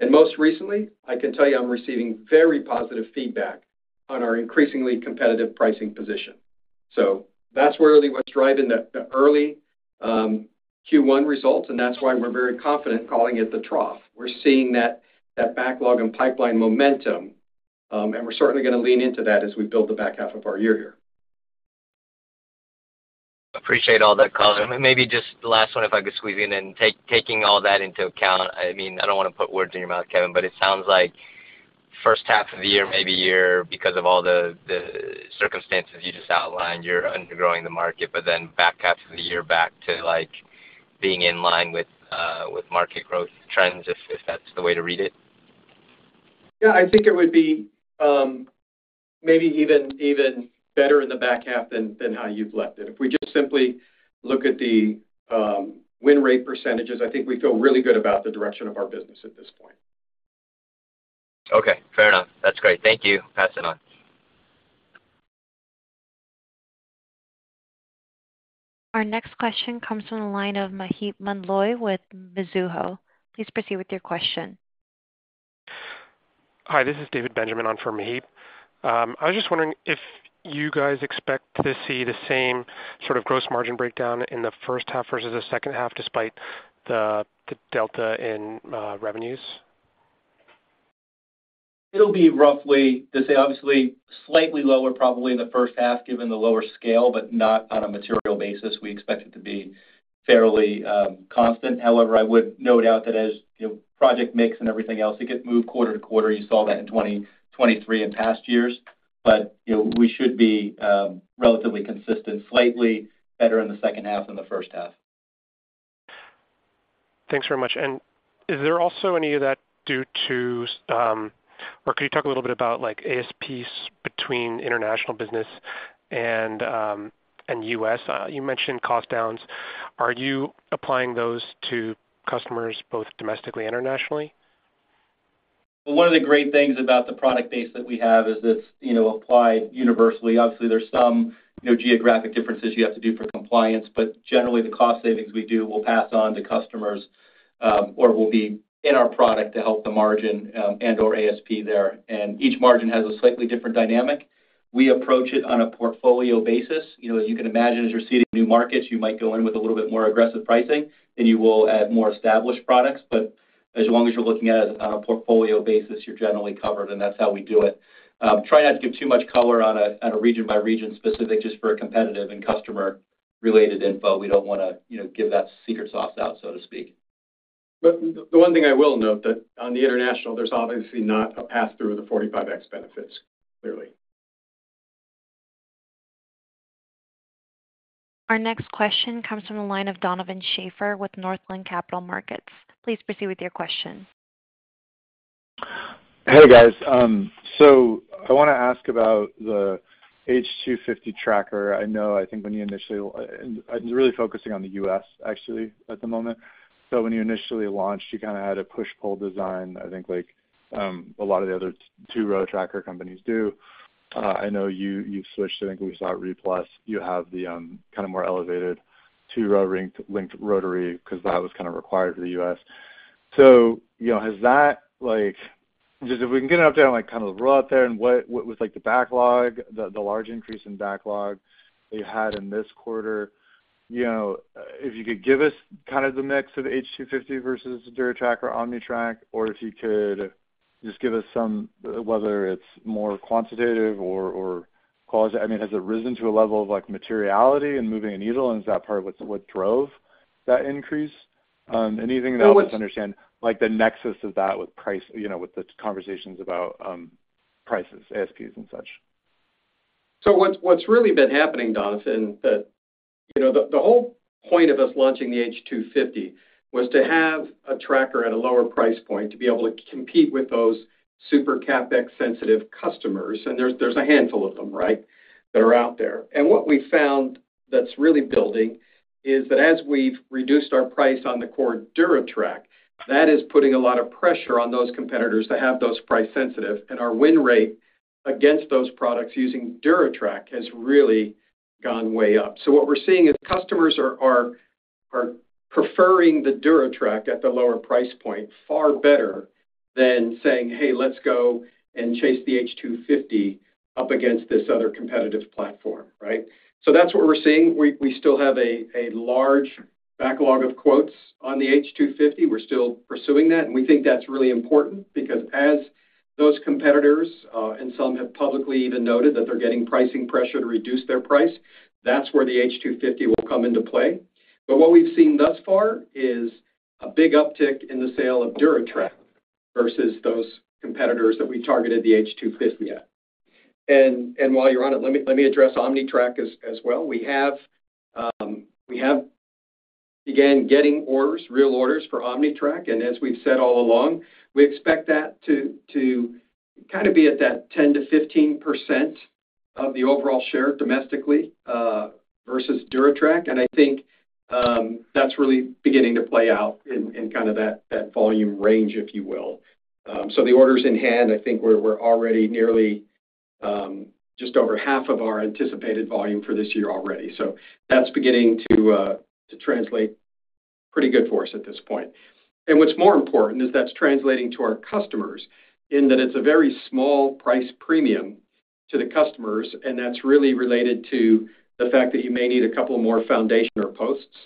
And most recently, I can tell you, I'm receiving very positive feedback on our increasingly competitive pricing position. So that's really what's driving the early Q1 results, and that's why we're very confident calling it the trough. We're seeing that backlog and pipeline momentum, and we're certainly gonna lean into that as we build the back half of our year here. Appreciate all that color. And maybe just the last one, if I could squeeze in, and taking all that into account, I mean, I don't wanna put words in your mouth, Kevin, but it sounds like first half of the year, maybe year, because of all the, the circumstances you just outlined, you're undergrowing the market, but then back half of the year, back to, like, being in line with, with market growth trends, if, if that's the way to read it? Yeah. I think it would be, maybe even, even better in the back half than, than how you've left it. If we just simply look at the win rate percentages, I think we feel really good about the direction of our business at this point. Okay, fair enough. That's great. Thank you. I'll pass it on. Our next question comes from the line of Maheep Mandloi with Mizuho. Please proceed with your question. Hi, this is David Benjamin on for Maheep. I was just wondering if you guys expect to see the same sort of gross margin breakdown in the first half versus the second half, despite the delta in revenues. It'll be roughly, let's say, obviously, slightly lower, probably in the first half, given the lower scale, but not on a material basis. We expect it to be fairly constant. However, I would note out that as, you know, project mix and everything else, it could move quarter-to-quarter. You saw that in 2023 and past years, but, you know, we should be relatively consistent, slightly better in the second half than the first half. Thanks very much. And is there also any of that due to, or could you talk a little bit about, like, ASPs between international business and, and U.S.? You mentioned cost downs. Are you applying those to customers both domestically and internationally? One of the great things about the product base that we have is it's, you know, applied universally. Obviously, there's some, you know, geographic differences you have to do for compliance, but generally, the cost savings we do, we'll pass on to customers, or will be in our product to help the margin, and or ASP there. Each margin has a slightly different dynamic. We approach it on a portfolio basis. You know, as you can imagine, as you're seeing new markets, you might go in with a little bit more aggressive pricing, than you will at more established products. As long as you're looking at it on a portfolio basis, you're generally covered, and that's how we do it. Try not to give too much color on a region-by-region specific, just for a competitive and customer-related info. We don't wanna, you know, give that secret sauce out, so to speak. But the one thing I will note that on the international, there's obviously not a pass-through of the 45X benefits, clearly. Our next question comes from the line of Donovan Schafer with Northland Capital Markets. Please proceed with your question. Hey, guys. So I wanna ask about the H250 tracker. I'm really focusing on the U.S., actually, at the moment. So when you initially launched, you kinda had a push-pull design, I think like a lot of the other two-row tracker companies do. I know you've switched, I think we saw it re-plus. You have the kinda more elevated two-row linked rotary, 'cause that was kinda required for the U.S. So, you know, has that, like... Just if we can get an update on, like, kind of the rollout there and what was like the backlog, the large increase in backlog that you had in this quarter, you know, if you could give us kind of the mix of H250 versus DuraTrack or OmniTrack, or if you could just give us some, whether it's more quantitative or—I mean, has it risen to a level of, like, materiality and moving a needle, and is that part of what drove that increase? Anything that will help us understand, like, the nexus of that with price, you know, with the conversations about prices, ASPs and such. So what's really been happening, Donovan, that, you know, the whole point of us launching the H250 was to have a tracker at a lower price point to be able to compete with those super CapEx-sensitive customers, and there's a handful of them, right, that are out there. And what we found that's really building is that as we've reduced our price on the core DuraTrack, that is putting a lot of pressure on those competitors that have those price sensitive, and our win rate against those products using DuraTrack has really gone way up. So what we're seeing is customers are preferring the DuraTrack at the lower price point, far better than saying, "Hey, let's go and chase the H250 up against this other competitive platform," right? So that's what we're seeing. We still have a large backlog of quotes on the H250. We're still pursuing that, and we think that's really important because as those competitors, and some have publicly even noted that they're getting pricing pressure to reduce their price, that's where the H250 will come into play. But what we've seen thus far is a big uptick in the sale of DuraTrack versus those competitors that we targeted the H250 at. And while you're on it, let me address OmniTrack as well. We have began getting orders, real orders for OmniTrack, and as we've said all along, we expect that to kind of be at that 10%-15% of the overall share domestically, versus DuraTrack. I think that's really beginning to play out in kind of that volume range, if you will. So the orders in hand, I think we're already nearly just over half of our anticipated volume for this year already. So that's beginning to translate pretty good for us at this point. And what's more important is that's translating to our customers in that it's a very small price premium to the customers, and that's really related to the fact that you may need a couple more foundation or posts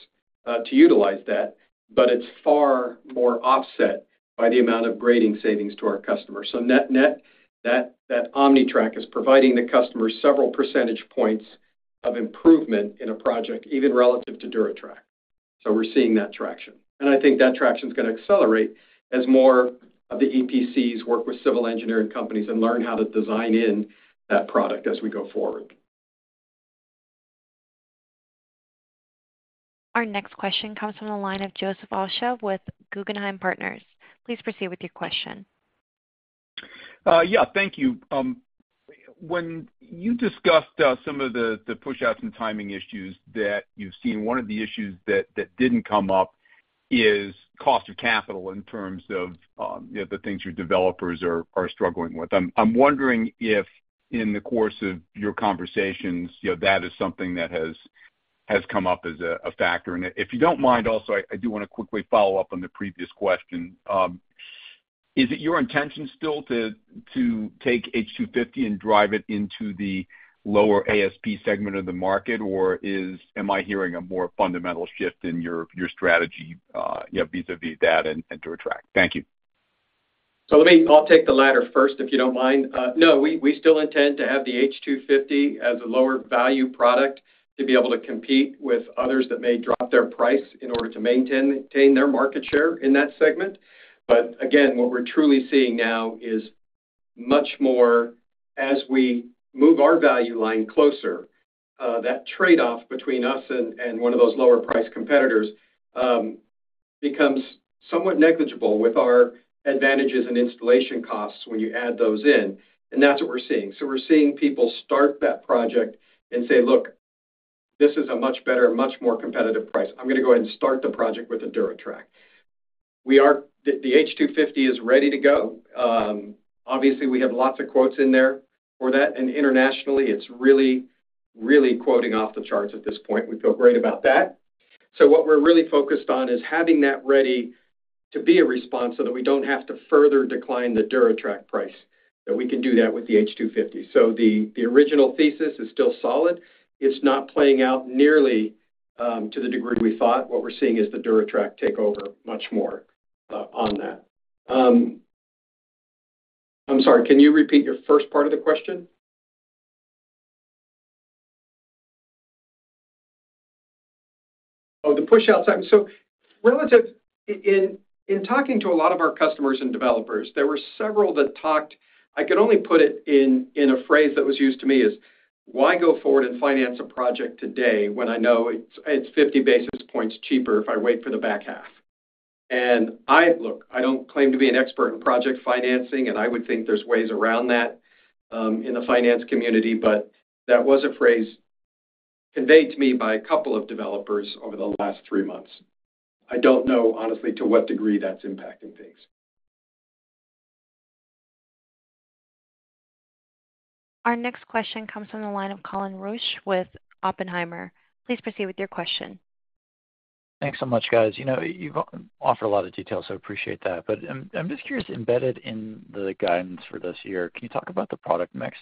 to utilize that, but it's far more offset by the amount of grading savings to our customers. So net net, that OmniTrack is providing the customer several percentage points of improvement in a project, even relative to DuraTrack. So we're seeing that traction, and I think that traction is gonna accelerate as more of the EPCs work with civil engineering companies and learn how to design in that product as we go forward. Our next question comes from the line of Joseph Osha with Guggenheim Partners. Please proceed with your question. Yeah, thank you. When you discussed some of the pushouts and timing issues that you've seen, one of the issues that didn't come up is cost of capital in terms of, you know, the things your developers are struggling with. I'm wondering if in the course of your conversations, you know, that is something that has come up as a factor. And if you don't mind, also, I do wanna quickly follow up on the previous question. Is it your intention still to take H250 and drive it into the lower ASP segment of the market? Or is—am I hearing a more fundamental shift in your strategy, you know, vis-à-vis that and DuraTrack? Thank you. So let me. I'll take the latter first, if you don't mind. No, we still intend to have the H250 as a lower value product to be able to compete with others that may drop their price in order to maintain their market share in that segment. But again, what we're truly seeing now is much more as we move our value line closer, that trade-off between us and one of those lower priced competitors becomes somewhat negligible with our advantages in installation costs when you add those in, and that's what we're seeing. So we're seeing people start that project and say, "Look, this is a much better, much more competitive price. I'm gonna go ahead and start the project with the DuraTrack." We are. The H250 is ready to go. Obviously, we have lots of quotes in there for that, and internationally, it's really, really quoting off the charts at this point. We feel great about that. So what we're really focused on is having that ready to be a response so that we don't have to further decline the DuraTrack price, that we can do that with the H250. So the original thesis is still solid. It's not playing out nearly to the degree we thought. What we're seeing is the DuraTrack take over much more on that. I'm sorry, can you repeat your first part of the question? Oh, the pushout time. So relative, in talking to a lot of our customers and developers, there were several that talked... I could only put it in a phrase that was used to me is, "Why go forward and finance a project today when I know it's 50 basis points cheaper if I wait for the back half?" And I look, I don't claim to be an expert in project financing, and I would think there's ways around that, in the finance community, but that was a phrase conveyed to me by a couple of developers over the last three months. I don't know, honestly, to what degree that's impacting things. Our next question comes from the line of Colin Rusch with Oppenheimer. Please proceed with your question. Thanks so much, guys. You know, you've offered a lot of detail, so I appreciate that. But I'm just curious, embedded in the guidance for this year, can you talk about the product mix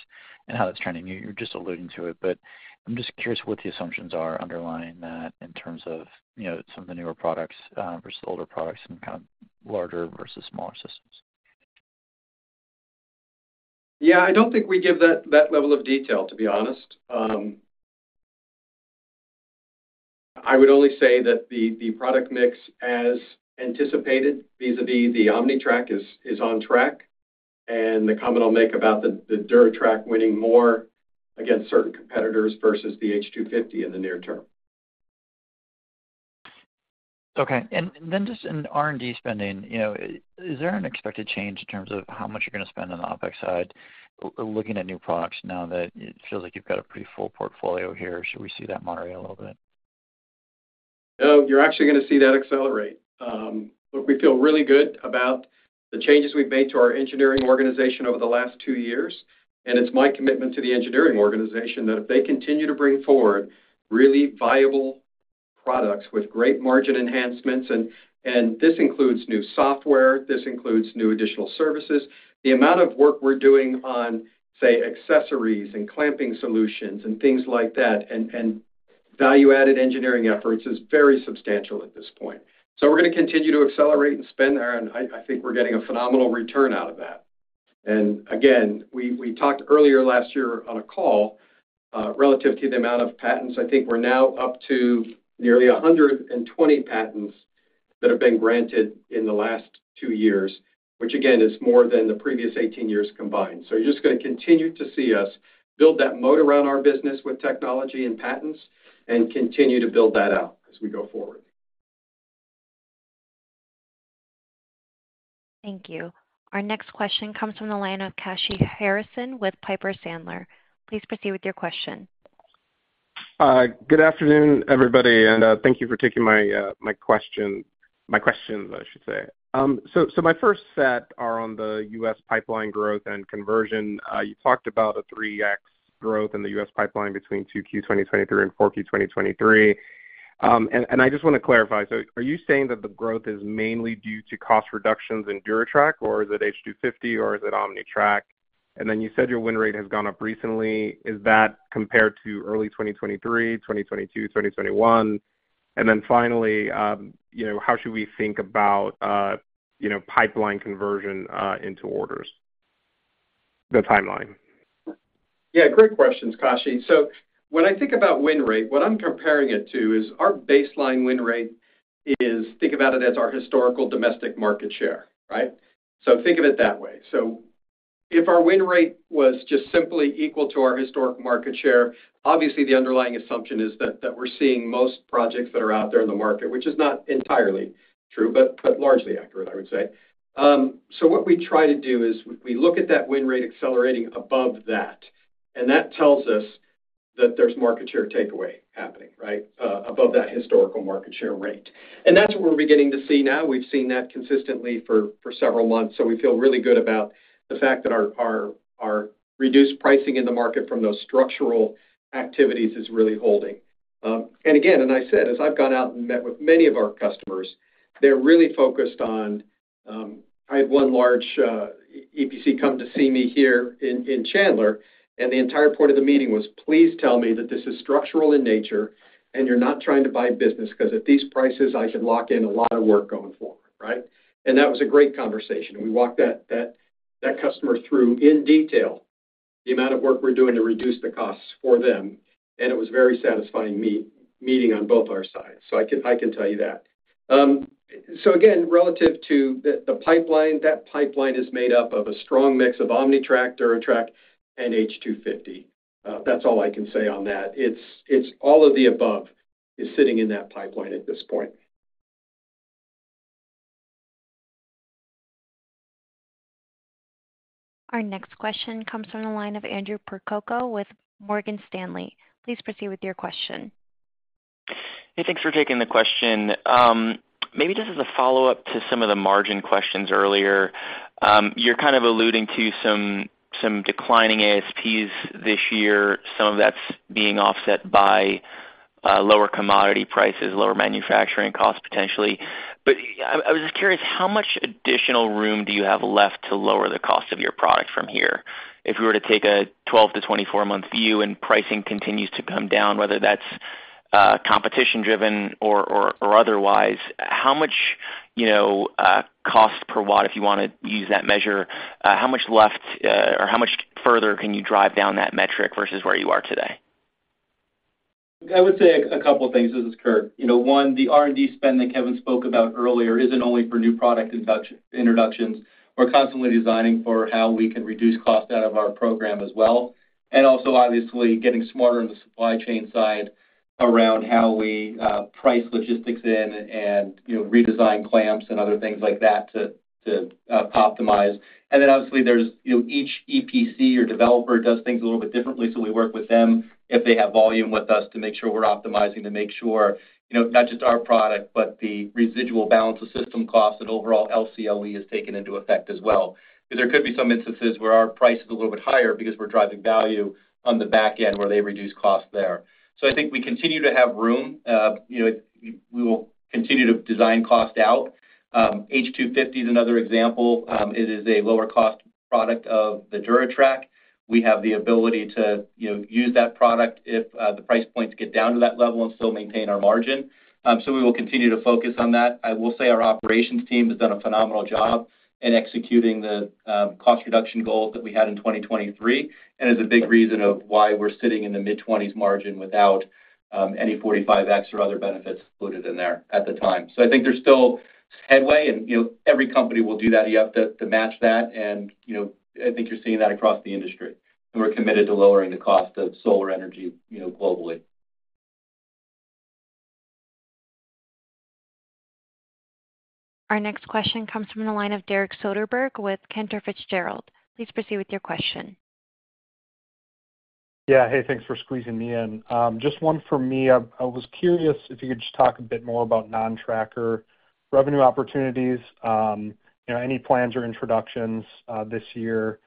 and how that's trending? You're just alluding to it, but I'm just curious what the assumptions are underlying that in terms of, you know, some of the newer products versus the older products and kind of larger versus smaller systems. Yeah. I don't think we give that level of detail, to be honest. I would only say that the product mix as anticipated, vis-à-vis the OmniTrack is on track, and the comment I'll make about the DuraTrack winning more against certain competitors versus the H250 in the near term. Okay. And then just in R&D spending, you know, is there an expected change in terms of how much you're gonna spend on the OpEx side, looking at new products now that it feels like you've got a pretty full portfolio here, or should we see that moderate a little bit? No, you're actually gonna see that accelerate. But we feel really good about the changes we've made to our engineering organization over the last two years, and it's my commitment to the engineering organization that if they continue to bring forward really viable products with great margin enhancements, and this includes new software, this includes new additional services. The amount of work we're doing on, say, accessories and clamping solutions and things like that, and value-added engineering efforts is very substantial at this point. So we're gonna continue to accelerate and spend, and I think we're getting a phenomenal return out of that. And again, we talked earlier last year on a call relative to the amount of patents. I think we're now up to nearly 120 patents that have been granted in the last two years, which again, is more than the previous 18 years combined. So you're just gonna continue to see us build that moat around our business with technology and patents and continue to build that out as we go forward. Thank you. Our next question comes from the line of Kashy Harrison with Piper Sandler. Please proceed with your question. Good afternoon, everybody, and thank you for taking my question- my questions, I should say. So my first set are on the U.S. pipeline growth and conversion. You talked about a 3x growth in the U.S. pipeline between 2Q 2023 and 4Q 2023. And I just want to clarify: so are you saying that the growth is mainly due to cost reductions in DuraTrack, or is it H250, or is it OmniTrack? And then you said your win rate has gone up recently. Is that compared to early 2023, 2022, 2021? And then finally, you know, how should we think about, you know, pipeline conversion into orders, the timeline? Yeah, great questions, Kashy. So when I think about win rate, what I'm comparing it to is our baseline win rate is... think about it as our historical domestic market share, right? So think of it that way. So if our win rate was just simply equal to our historic market share, obviously, the underlying assumption is that we're seeing most projects that are out there in the market, which is not entirely true, but largely accurate, I would say. So what we try to do is we look at that win rate accelerating above that, and that tells us that there's market share takeaway happening, right, above that historical market share rate. And that's what we're beginning to see now. We've seen that consistently for several months, so we feel really good about the fact that our reduced pricing in the market from those structural activities is really holding. And again, as I said, as I've gone out and met with many of our customers, they're really focused on... I had one large EPC come to see me here in Chandler, and the entire point of the meeting was, "Please tell me that this is structural in nature, and you're not trying to buy business, 'cause at these prices, I should lock in a lot of work going forward," right? And that was a great conversation. We walked that customer through, in detail, the amount of work we're doing to reduce the costs for them, and it was very satisfying meeting on both our sides. So I can tell you that. So again, relative to the pipeline, that pipeline is made up of a strong mix of OmniTrack, DuraTrack, and H250. That's all I can say on that. It's all of the above sitting in that pipeline at this point. Our next question comes from the line of Andrew Percoco with Morgan Stanley. Please proceed with your question. Hey, thanks for taking the question. Maybe just as a follow-up to some of the margin questions earlier, you're kind of alluding to some declining ASPs this year. Some of that's being offset by lower commodity prices, lower manufacturing costs, potentially. But I was just curious, how much additional room do you have left to lower the cost of your product from here? If you were to take a 12- to 24-month view and pricing continues to come down, whether that's competition driven or otherwise, how much, you know, cost per watt, if you want to use that measure, how much left or how much further can you drive down that metric versus where you are today? I would say a couple of things. This is Kurt. You know, one, the R&D spend that Kevin spoke about earlier isn't only for new product introductions. We're constantly designing for how we can reduce cost out of our program as well, and also, obviously, getting smarter on the supply chain side around how we price logistics in and, you know, redesign clamps and other things like that to optimize. And then obviously, there's, you know, each EPC or developer does things a little bit differently, so we work with them if they have volume with us, to make sure we're optimizing, to make sure, you know, not just our product, but the residual balance of system costs and overall LCOE is taken into effect as well. There could be some instances where our price is a little bit higher because we're driving value on the back end, where they reduce costs there. So I think we continue to have room. You know, we will continue to design cost out. H250 is another example. It is a lower-cost product of the DuraTrack. We have the ability to, you know, use that product if, the price points get down to that level and still maintain our margin. So we will continue to focus on that. I will say our operations team has done a phenomenal job in executing the, cost reduction goals that we had in 2023, and is a big reason of why we're sitting in the mid-20s margin without, any 45X or other benefits included in there at the time. I think there's still headway, and, you know, every company will do that. You have to, to match that, and, you know, I think you're seeing that across the industry, and we're committed to lowering the cost of solar energy, you know, globally. Our next question comes from the line of Derek Soderberg with Cantor Fitzgerald. Please proceed with your question. Yeah. Hey, thanks for squeezing me in. Just one for me. I was curious if you could just talk a bit more about non-tracker revenue opportunities, you know, any plans or introductions this year.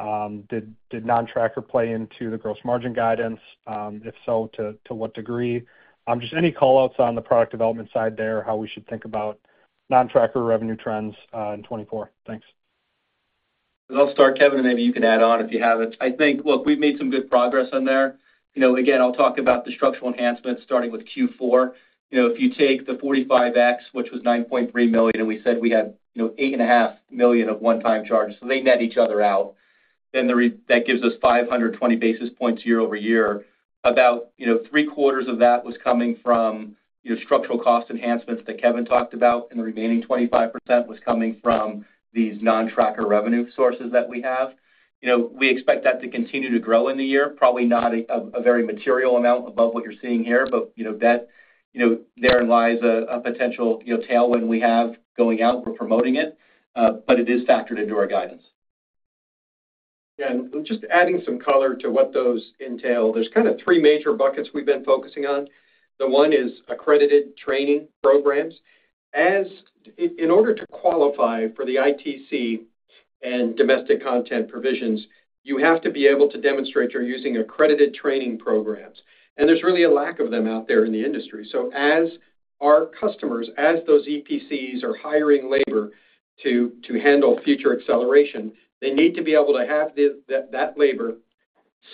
Did non-tracker play into the gross margin guidance? If so, to what degree? Just any callouts on the product development side there, how we should think about non-tracker revenue trends in 2024? Thanks. I'll start, Kevin, and maybe you can add on if you haven't. I think. Look, we've made some good progress on there. You know, again, I'll talk about the structural enhancements, starting with Q4. You know, if you take the 45X, which was $9.3 million, and we said we had, you know, $8.5 million of one-time charges, so they net each other out, then that gives us 520 basis points year-over-year. About, you know, three-quarters of that was coming from, you know, structural cost enhancements that Kevin talked about, and the remaining 25% was coming from these non-tracker revenue sources that we have. You know, we expect that to continue to grow in the year, probably not a very material amount above what you're seeing here, but, you know, that, you know, therein lies a potential, you know, tailwind we have going out. We're promoting it, but it is factored into our guidance. Yeah, and just adding some color to what those entail, there's kind of three major buckets we've been focusing on. The one is accredited training programs. As in order to qualify for the ITC and domestic content provisions, you have to be able to demonstrate you're using accredited training programs, and there's really a lack of them out there in the industry. So as our customers, as those EPCs are hiring labor to handle future acceleration, they need to be able to have that labor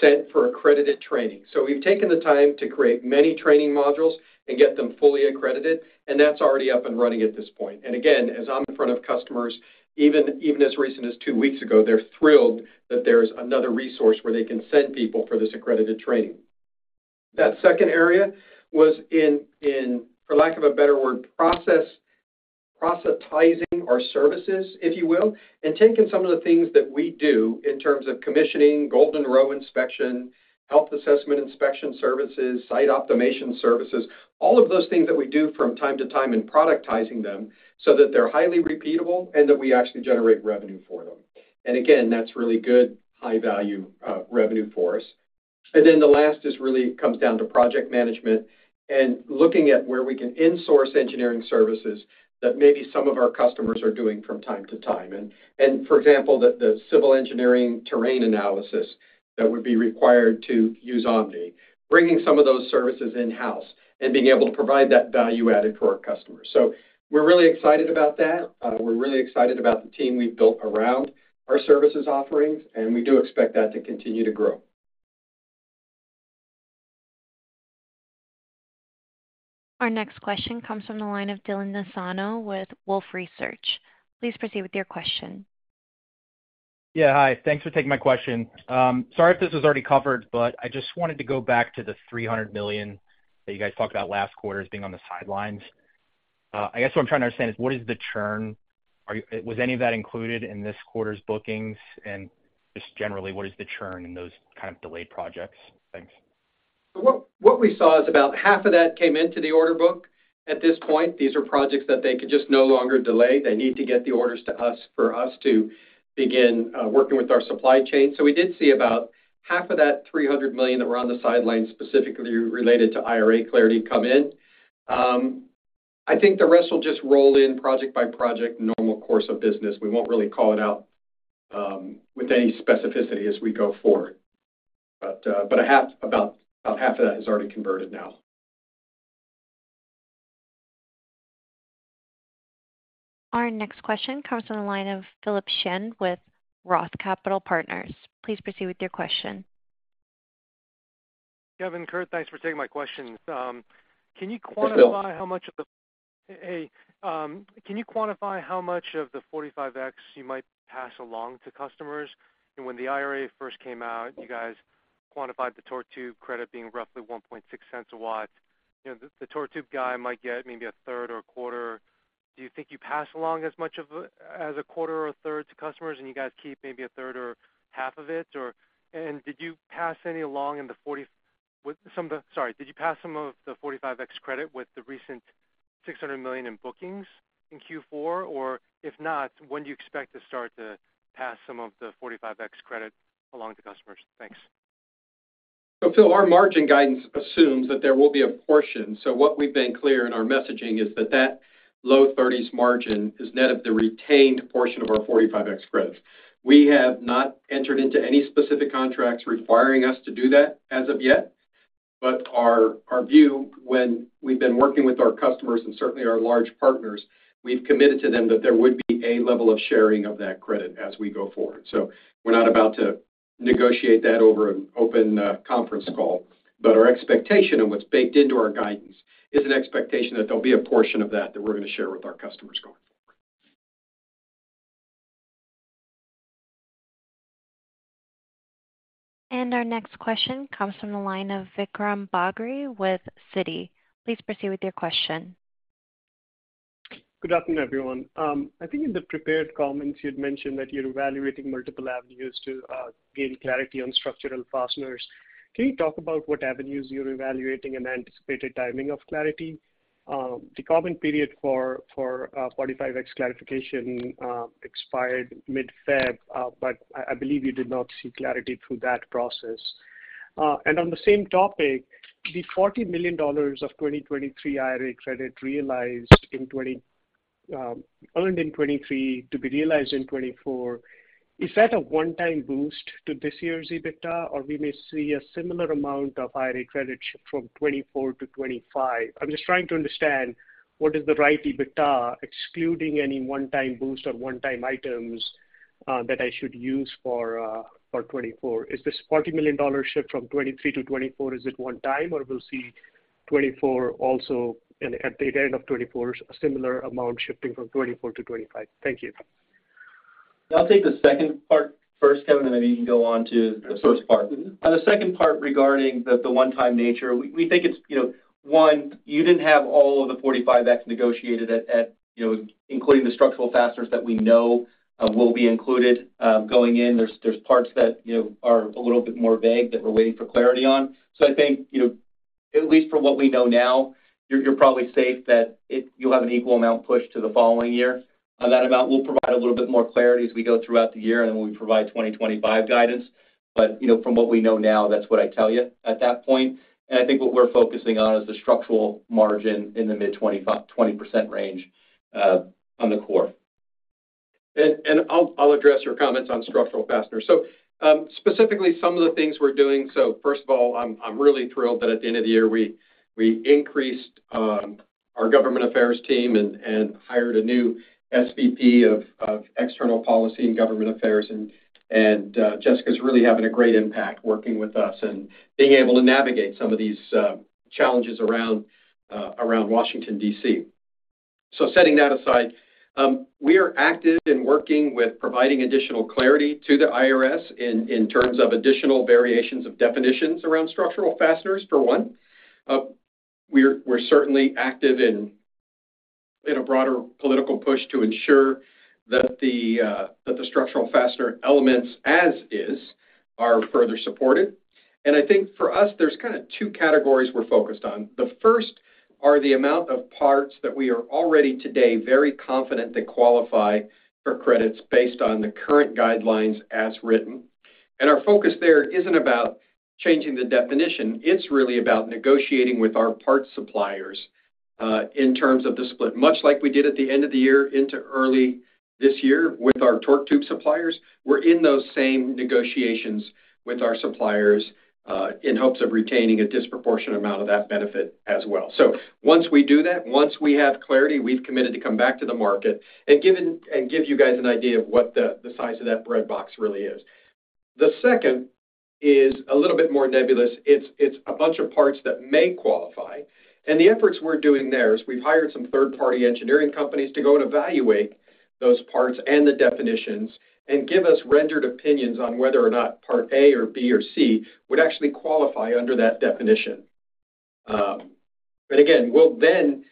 sent for accredited training. So we've taken the time to create many training modules and get them fully accredited, and that's already up and running at this point. And again, as I'm in front of customers, even as recent as two weeks ago, they're thrilled that there's another resource where they can send people for this accredited training. That second area was in, for lack of a better word, process-tizing our services, if you will, and taking some of the things that we do in terms of commissioning, golden row inspection, health assessment inspection services, site optimization services, all of those things that we do from time to time, and productizing them so that they're highly repeatable and that we actually generate revenue for them. And again, that's really good, high-value revenue for us. And then the last just really comes down to project management and looking at where we can insource engineering services that maybe some of our customers are doing from time to time. And for example, the civil engineering terrain analysis that would be required to use Omni, bringing some of those services in-house and being able to provide that value added for our customers. So we're really excited about that. We're really excited about the team we've built around our services offerings, and we do expect that to continue to grow. Our next question comes from the line of Dylan Nassano with Wolfe Research. Please proceed with your question. Yeah. Hi, thanks for taking my question. Sorry if this was already covered, but I just wanted to go back to the $300 million that you guys talked about last quarter as being on the sidelines. I guess what I'm trying to understand is what is the churn? Was any of that included in this quarter's bookings? And just generally, what is the churn in those kind of delayed projects? Thanks. So what we saw is about half of that came into the order book at this point. These are projects that they could just no longer delay. They need to get the orders to us for us to begin working with our supply chain. So we did see about half of that $300 million that were on the sidelines, specifically related to IRA clarity, come in. I think the rest will just roll in project by project, normal course of business. We won't really call it out with any specificity as we go forward. But about half of that is already converted now. Our next question comes from the line of Philip Shen with Roth Capital Partners. Please proceed with your question. Kevin, Kurt, thanks for taking my questions. Can you quantify- Hi, Phil. Hey, can you quantify how much of the 45X you might pass along to customers? And when the IRA first came out, you guys quantified the torque tube credit being roughly $0.016 per watt. You know, the, the torque tube guy might get maybe a third or a quarter. Do you think you pass along as much of a, as a quarter or a third to customers, and you guys keep maybe a third or half of it, or- and did you pass any along in the 45X... With some of the- sorry, did you pass some of the 45X credit with the recent $600 million in bookings in Q4? Or if not, when do you expect to start to pass some of the 45X credit along to customers? Thanks. So Phil, our margin guidance assumes that there will be a portion. So what we've been clear in our messaging is that that low 30s margin is net of the retained portion of our 45X credits. We have not entered into any specific contracts requiring us to do that as of yet. But our view when we've been working with our customers, and certainly our large partners, we've committed to them that there would be a level of sharing of that credit as we go forward. So we're not about to negotiate that over an open conference call, but our expectation and what's baked into our guidance is an expectation that there'll be a portion of that we're gonna share with our customers going forward. Our next question comes from the line of Vikram Bagri with Citi. Please proceed with your question. Good afternoon, everyone. I think in the prepared comments, you'd mentioned that you're evaluating multiple avenues to gain clarity on structural fasteners. Can you talk about what avenues you're evaluating and anticipated timing of clarity? The comment period for 45X clarification expired mid-February, but I believe you did not seek clarity through that process. And on the same topic, the $40 million of 2023 IRA credit earned in 2023 to be realized in 2024, is that a one-time boost to this year's EBITDA, or we may see a similar amount of IRA credit shift from 2024 to 2025? I'm just trying to understand what is the right EBITDA, excluding any one-time boost or one-time items, that I should use for 2024. Is this $40 million shift from 2023 to 2024, is it one time, or we'll see 2024 also, and at the end of 2024, a similar amount shifting from 2024 to 2025? Thank you. I'll take the second part first, Kevin, and maybe you can go on to the first part. Mm-hmm. On the second part, regarding the one-time nature, we think it's, you know, one, you didn't have all of the 45X negotiated at, you know, including the structural fasteners that we know will be included. Going in, there are parts that, you know, are a little bit more vague that we're waiting for clarity on. So I think, you know, at least from what we know now, you're probably safe that it-- you'll have an equal amount pushed to the following year. On that amount, we'll provide a little bit more clarity as we go throughout the year and when we provide 2025 guidance. But, you know, from what we know now, that's what I tell you at that point. And I think what we're focusing on is the structural margin in the mid-20% range on the core. I'll address your comments on structural fasteners. So, specifically, some of the things we're doing. So first of all, I'm really thrilled that at the end of the year, we increased our government affairs team and hired a new SVP of External Policy and Government Affairs. And Jessica's really having a great impact working with us and being able to navigate some of these challenges around Washington, D.C. So setting that aside, we are active in working with providing additional clarity to the IRS in terms of additional variations of definitions around structural fasteners, for one. We're certainly active in a broader political push to ensure that the structural fastener elements, as is, are further supported. I think for us, there's kind of two categories we're focused on. The first are the amount of parts that we are already today very confident they qualify for credits based on the current guidelines as written. Our focus there isn't about changing the definition, it's really about negotiating with our parts suppliers in terms of the split. Much like we did at the end of the year into early this year with our torque tube suppliers, we're in those same negotiations with our suppliers in hopes of retaining a disproportionate amount of that benefit as well. So once we do that, once we have clarity, we've committed to come back to the market and give you guys an idea of what the size of that breadbox really is. The second is a little bit more nebulous. It's a bunch of parts that may qualify, and the efforts we're doing there is we've hired some third-party engineering companies to go and evaluate those parts and the definitions and give us rendered opinions on whether or not part A or B or C would actually qualify under that definition. But again, we'll then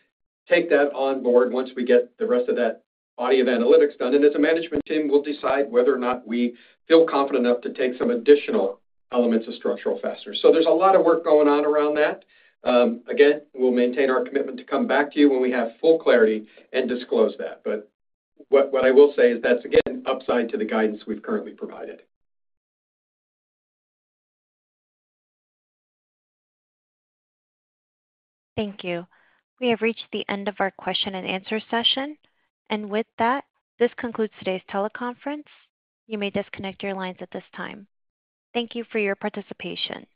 take that on board once we get the rest of that body of analytics done, and as a management team, we'll decide whether or not we feel confident enough to take some additional elements of structural fasteners. So there's a lot of work going on around that. Again, we'll maintain our commitment to come back to you when we have full clarity and disclose that. But what I will say is that's, again, upside to the guidance we've currently provided. Thank you. We have reached the end of our question and answer session, and with that, this concludes today's teleconference. You may disconnect your lines at this time. Thank you for your participation.